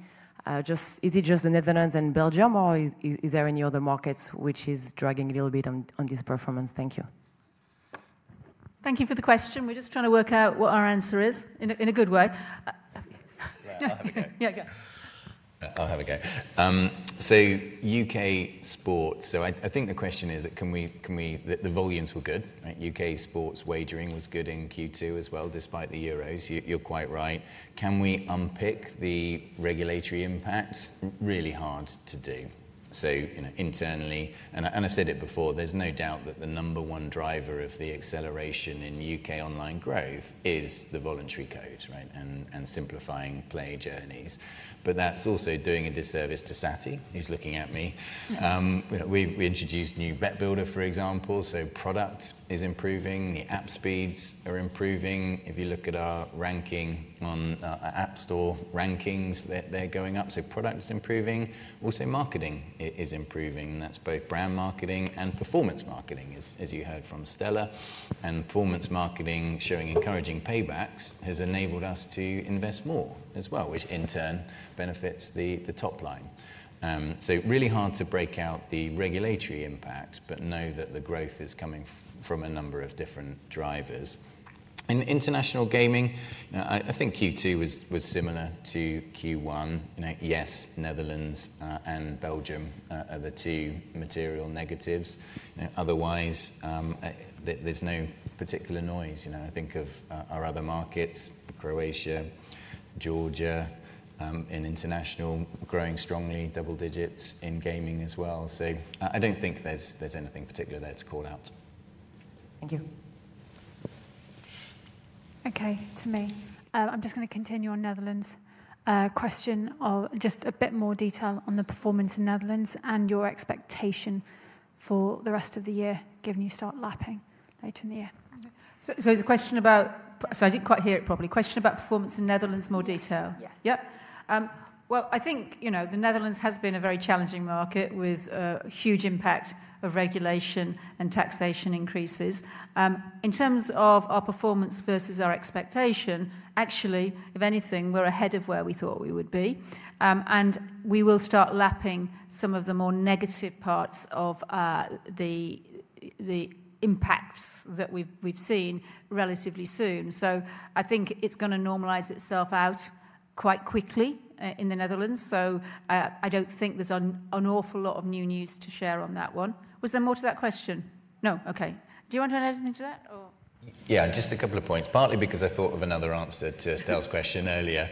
is it just the Netherlands and Belgium, or is there any other market which is dragging a little bit on this performance? Thank you. Thank you for the question. We're just trying to work out what our answer is in a good way. Yeah, I'll have a go. Yeah, go. I'll have a go. UK sports, I think the question is, can we, the volumes were good. UK sports wagering was good in Q2 as well, despite the euros. You're quite right. Can we unpick the regulatory impacts? Really hard to do. Internally, I've said it before, there's no doubt that the number one driver of the acceleration in UK online growth is the voluntary code, right? Simplifying play journeys is also key, but that's also doing a disservice to Satty. He's looking at me. You know, we introduced new bet builder, for example. Product is improving, the app speeds are improving. If you look at our ranking on our App Store rankings, they're going up. Product is improving. Also, marketing is improving, and that's both brand marketing and performance marketing, as you heard from Stella. Performance marketing showing encouraging paybacks has enabled us to invest more as well, which in turn benefits the top line. It's really hard to break out the regulatory impact, but know that the growth is coming from a number of different drivers. In international gaming, I think Q2 was similar to Q1. Yes, Netherlands and Belgium are the two material negatives. Otherwise, there's no particular noise. I think of our other markets, Croatia, Georgia, in international growing strongly, double digits in gaming as well. I don't think there's anything particular there to call out. Thank you. Okay, to me. I'm just going to continue on Netherlands. A question of just a bit more detail on the performance in Netherlands and your expectation for the rest of the year, given you start lapping later in the year. It's a question about, sorry, I didn't quite hear it properly. Question about performance in Netherlands, more detail. Yes. Yep. I think, you know, the Netherlands has been a very challenging market with a huge impact of regulation and taxation increases. In terms of our performance versus our expectation, actually, if anything, we're ahead of where we thought we would be. We will start lapping some of the more negative parts of the impacts that we've seen relatively soon. I think it's going to normalize itself out quite quickly in the Netherlands. I don't think there's an awful lot of new news to share on that one. Was there more to that question? No, okay. Do you want to add anything to that or? Yeah, just a couple of points, partly because I thought of another answer to Stella's question earlier.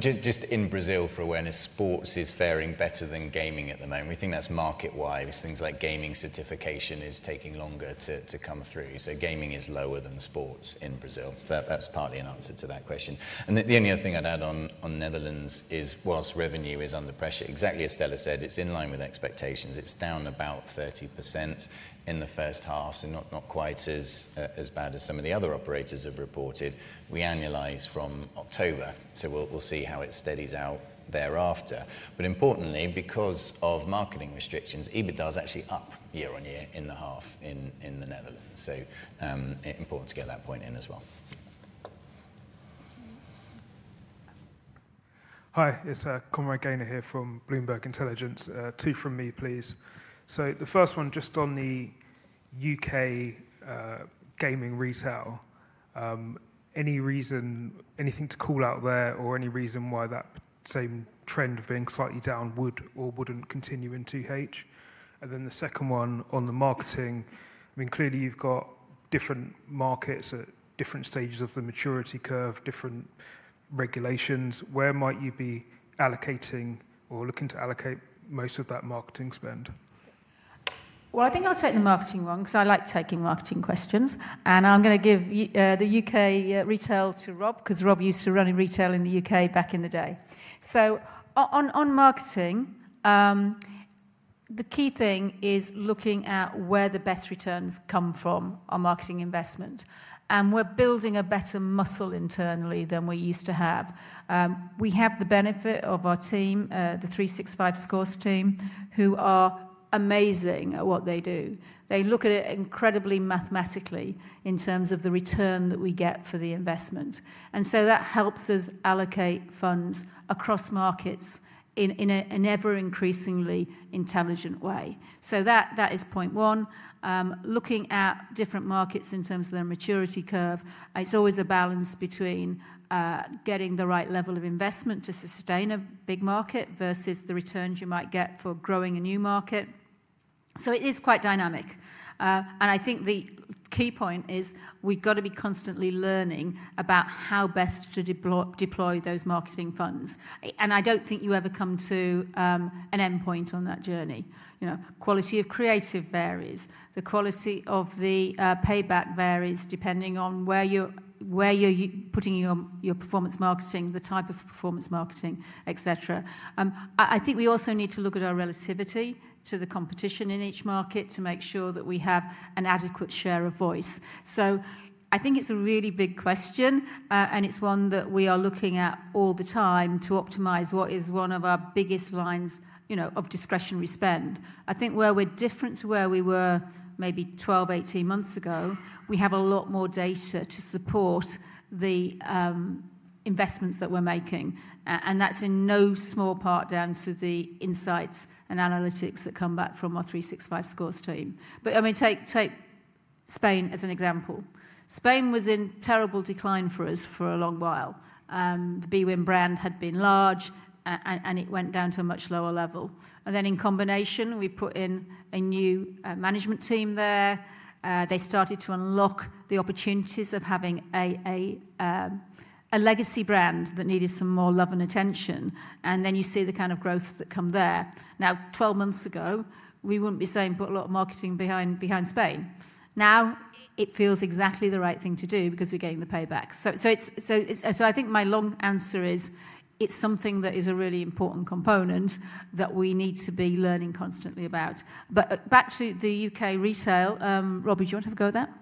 Just in Brazil, for awareness, sports is faring better than gaming at the moment. We think that's market-wise. Things like gaming certification are taking longer to come through. Gaming is lower than sports in Brazil. That's partly an answer to that question. The only other thing I'd add on Netherlands is whilst revenue is under pressure, exactly as Stella said, it's in line with expectations. It's down about 30% in the first half, not quite as bad as some of the other operators have reported. We annualize from October, so we'll see how it steadies out thereafter. Importantly, because of marketing restrictions, EBITDA is actually up year on year in the half in the Netherlands. Important to get that point in as well. Hi, it's Conroy Gaynor here from Bloomberg Intelligence. Two from me, please. The first one just on the UK, gaming resale. Any reason, anything to call out there, or any reason why that same trend of being slightly down would or wouldn't continue in 2H? The second one on the marketing. I mean, clearly you've got different markets at different stages of the maturity curve, different regulations. Where might you be allocating or looking to allocate most of that marketing spend? I think I'll take the marketing one because I like taking marketing questions. I'm going to give the UK retail to Rob because Rob used to run retail in the UK back in the day. On marketing, the key thing is looking at where the best returns come from our marketing investment. We're building a better muscle internally than we used to have. We have the benefit of our team, the 365 Scores team, who are amazing at what they do. They look at it incredibly mathematically in terms of the return that we get for the investment, and that helps us allocate funds across markets in an ever-increasingly intelligent way. That is point one. Looking at different markets in terms of their maturity curve, it's always a balance between getting the right level of investment to sustain a big market versus the returns you might get for growing a new market. It is quite dynamic. I think the key point is we've got to be constantly learning about how best to deploy those marketing funds. I don't think you ever come to an end point on that journey. You know, quality of creative varies. The quality of the payback varies depending on where you're putting your performance marketing, the type of performance marketing, et cetera. I think we also need to look at our relativity to the competition in each market to make sure that we have an adequate share of voice. I think it's a really big question, and it's one that we are looking at all the time to optimize what is one of our biggest lines of discretionary spend. I think where we're different to where we were maybe 12, 18 months ago, we have a lot more data to support the investments that we're making. That's in no small part down to the insights and analytics that come back from our 365 Scores team. Take Spain as an example. Spain was in terrible decline for us for a long while. The bwin brand had been large, and it went down to a much lower level. In combination, we put in a new management team there. They started to unlock the opportunities of having a legacy brand that needed some more love and attention, and then you see the kind of growth that comes there. Now, 12 months ago, we wouldn't be saying put a lot of marketing behind Spain. Now it feels exactly the right thing to do because we're getting the payback. I think my long answer is it's something that is a really important component that we need to be learning constantly about. Back to the UK retail, Rob, would you want to have a go at that?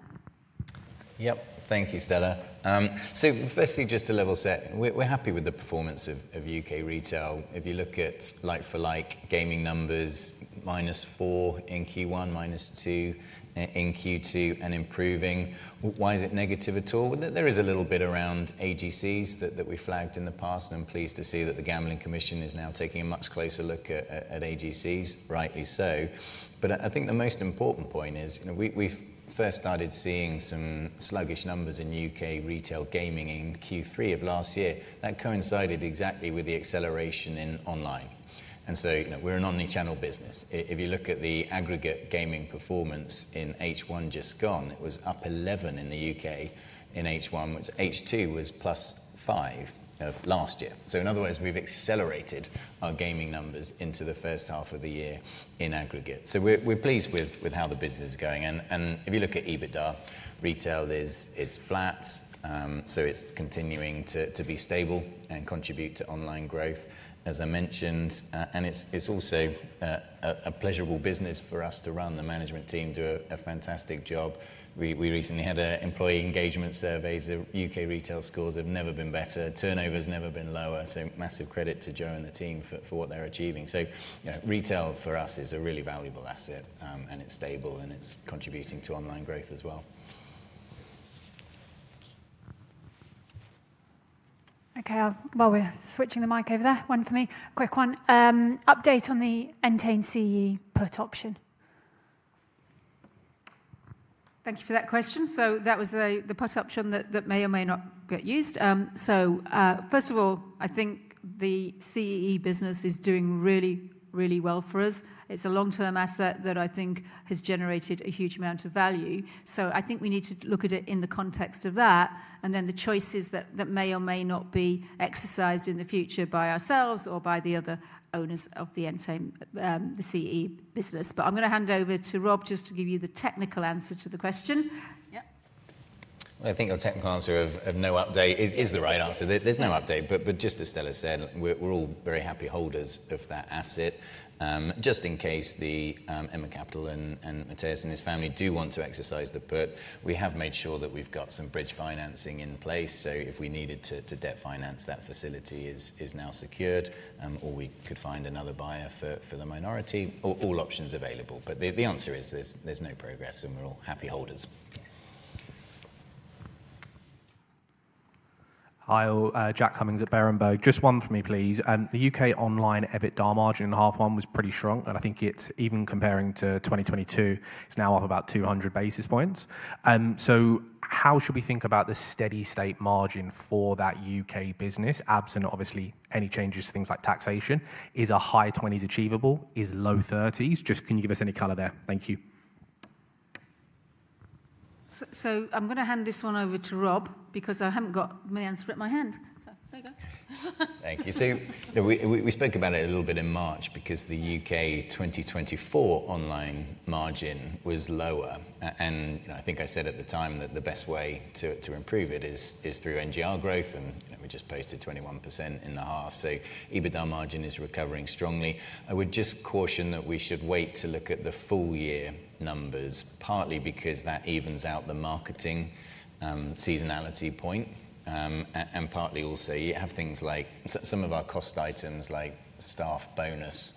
Yep, thank you, Stella. Firstly, just to level set, we're happy with the performance of UK retail. If you look at like-for-like gaming numbers, -4% in Q1, -2% in Q2, and improving. Why is it negative at all? There is a little bit around AGCs that we flagged in the past, and I'm pleased to see that the Gambling Commission is now taking a much closer look at AGCs, rightly so. I think the most important point is, you know, we first started seeing some sluggish numbers in UK retail gaming in Q3 of last year. That coincided exactly with the acceleration in online. You know, we're an omnichannel business. If you look at the aggregate gaming performance in H1 just gone, it was up 11% in the UK in H1, but H2 was +5% of last year. In other words, we've accelerated our gaming numbers into the first half of the year in aggregate. We're pleased with how the business is going. If you look at EBITDA, retail is flat. It's continuing to be stable and contribute to online growth, as I mentioned. It's also a pleasurable business for us to run. The management team do a fantastic job. We recently had an employee engagement survey. The UK retail scores have never been better. Turnover has never been lower. Massive credit to Joe and the team for what they're achieving. Retail for us is a really valuable asset, and it's stable, and it's contributing to online growth as well. Okay, while we're switching the mic over there, one for me, quick one. Update on the N10 CE put option. Thank you for that question. That was the put option that may or may not get used. First of all, I think the CEE business is doing really, really well for us. It's a long-term asset that I think has generated a huge amount of value. I think we need to look at it in the context of that. The choices that may or may not be exercised in the future by ourselves or by the other owners of the N10, the CEE business. I'm going to hand over to Rob just to give you the technical answer to the question. I think our technical answer of no update is the right answer. There's no update, but just as Stella said, we're all very happy holders of that asset. Just in case Emma Capital and Matthias and his family do want to exercise the put, we have made sure that we've got some bridge financing in place. If we needed to debt finance, that facility is now secured, or we could find another buyer for the minority, all options available. The answer is there's no progress, and we're all happy holders. I'll Jack Cummings at Berenberg. Just one for me, please. The UK online EBITDA margin in the half one was pretty strong, and I think it's even comparing to 2022. It's now up about 200 basis points. How should we think about the steady state margin for that UK business, absent obviously any changes to things like taxation? Is a high 20s achievable? Is low 30s? Can you give us any color there? Thank you. I'm going to hand this one over to Rob because I haven't got my hand scraped. There you go. Thank you. We spoke about it a little bit in March because the UK 2024 online margin was lower. I think I said at the time that the best way to improve it is through NGR growth. We just posted 21% in the half, so EBITDA margin is recovering strongly. I would just caution that we should wait to look at the full year numbers, partly because that evens out the marketing seasonality point and partly also because you have things like some of our cost items like staff bonus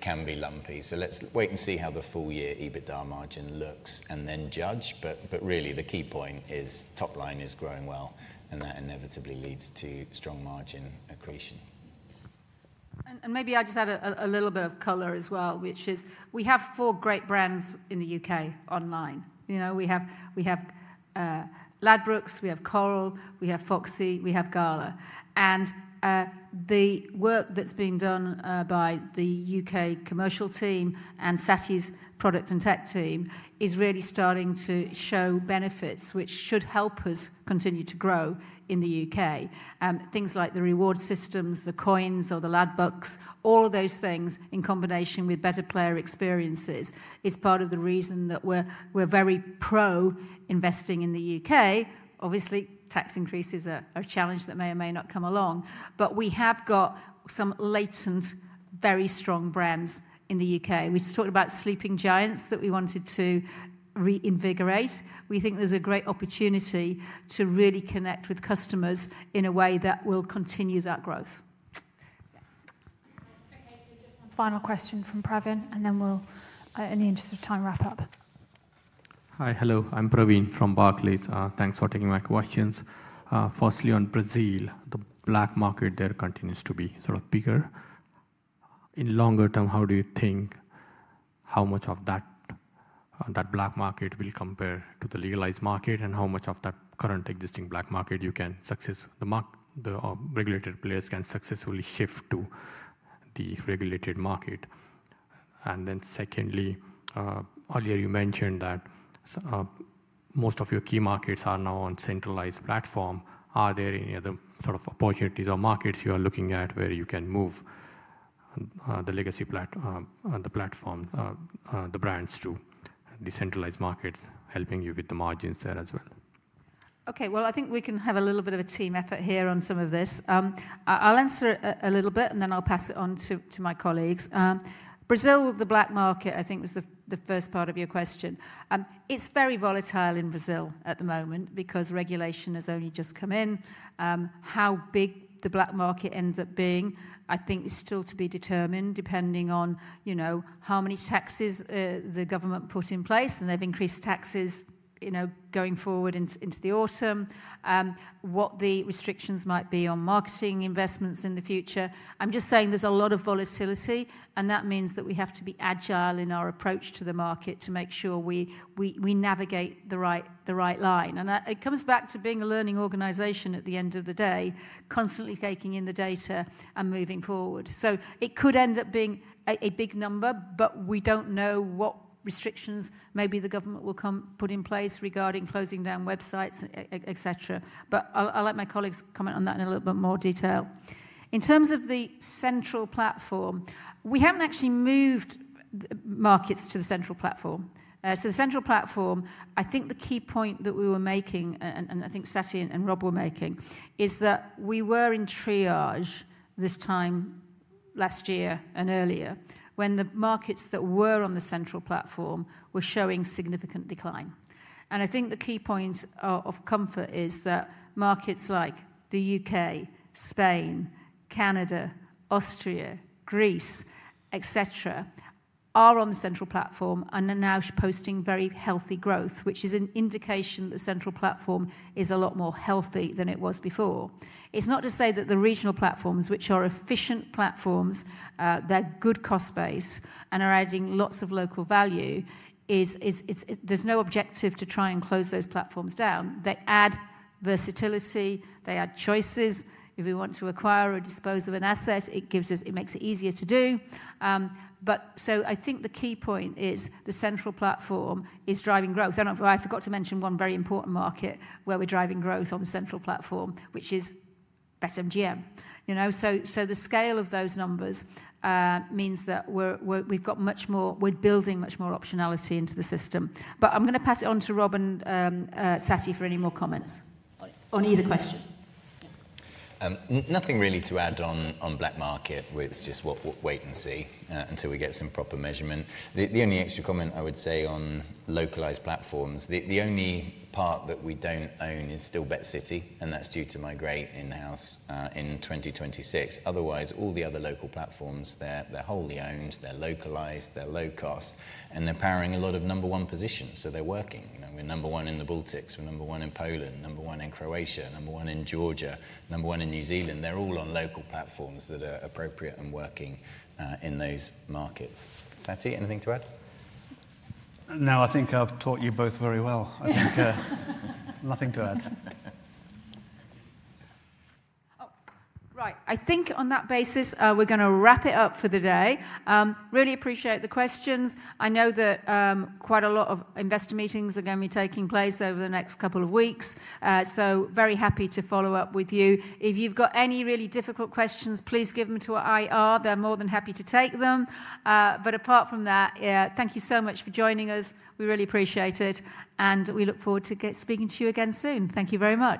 can be lumpy. Let's wait and see how the full year EBITDA margin looks and then judge. The key point is top line is growing well, and that inevitably leads to strong margin accretion. Maybe I'll just add a little bit of color as well, which is we have four great brands in the UK online. We have Ladbrokes, we have Coral, we have Foxy, we have Gala. The work that's being done by the UK commercial team and Satty's product and tech team is really starting to show benefits, which should help us continue to grow in the UK. Things like the reward systems, the coins, or the Ladbrokes, all of those things in combination with better player experiences is part of the reason that we're very pro-investing in the UK. Obviously, tax increases are a challenge that may or may not come along. We have got some latent, very strong brands in the UK. We talked about sleeping giants that we wanted to reinvigorate. We think there's a great opportunity to really connect with customers in a way that will continue that growth. Final question from Pravin. In the interest of time, we'll wrap up. Hi, hello. I'm Pravin Gondhale from Barclays. Thanks for taking my questions. Firstly, on Brazil, the black market there continues to be sort of bigger. In the longer term, how do you think how much of that black market will compare to the legalized market, and how much of that current existing black market you can successfully shift to the regulated market? Secondly, earlier you mentioned that most of your key markets are now on a centralized platform. Are there any other sort of opportunities or markets you are looking at where you can move the legacy platform, the brands to decentralized markets, helping you with the margins there as well? Okay, I think we can have a little bit of a team effort here on some of this. I'll answer a little bit and then I'll pass it on to my colleagues. Brazil, the black market, I think was the first part of your question. It's very volatile in Brazil at the moment because regulation has only just come in. How big the black market ends up being, I think, is still to be determined depending on how many taxes the government put in place. They've increased taxes going forward into the autumn. What the restrictions might be on marketing investments in the future, I'm just saying there's a lot of volatility. That means that we have to be agile in our approach to the market to make sure we navigate the right line. It comes back to being a learning organization at the end of the day, constantly taking in the data and moving forward. It could end up being a big number, but we don't know what restrictions maybe the government will put in place regarding closing down websites, et cetera. I'll let my colleagues comment on that in a little bit more detail. In terms of the central platform, we haven't actually moved the markets to the central platform. The central platform, I think the key point that we were making, and I think Satty and Rob were making, is that we were in triage this time last year and earlier when the markets that were on the central platform were showing significant decline. I think the key points of comfort is that markets like the UK, Spain, Canada, Austria, Greece, et cetera, are on the central platform and are now posting very healthy growth, which is an indication that the central platform is a lot more healthy than it was before. It's not to say that the regional platforms, which are efficient platforms, they're good cost base and are adding lots of local value. There's no objective to try and close those platforms down. They add versatility. They add choices. If we want to acquire or dispose of an asset, it makes it easier to do. I think the key point is the central platform is driving growth. I forgot to mention one very important market where we're driving growth on the central platform, which is BetMGM. The scale of those numbers means that we've got much more, we're building much more optionality into the system. I'm going to pass it on to Rob and Satty for any more comments on either question. Nothing really to add on black market. It's just wait and see until we get some proper measurement. The only extra comment I would say on localized platforms, the only part that we don't own is still BetCity, and that's due to migrate in-house in 2026. Otherwise, all the other local platforms are wholly owned, they're localized, they're low cost, and they're powering a lot of number one positions. They're working. You know, we're number one in the Baltics, we're number one in Poland, number one in Croatia, number one in Georgia, number one in New Zealand. They're all on local platforms that are appropriate and working in those markets. Satty, anything to add? No, I think I've taught you both very well. I think nothing to add. Right, I think on that basis, we're going to wrap it up for the day. Really appreciate the questions. I know that quite a lot of investor meetings are going to be taking place over the next couple of weeks. Very happy to follow up with you. If you've got any really difficult questions, please give them to our IR. They're more than happy to take them. Apart from that, thank you so much for joining us. We really appreciate it and we look forward to speaking to you again soon. Thank you very much.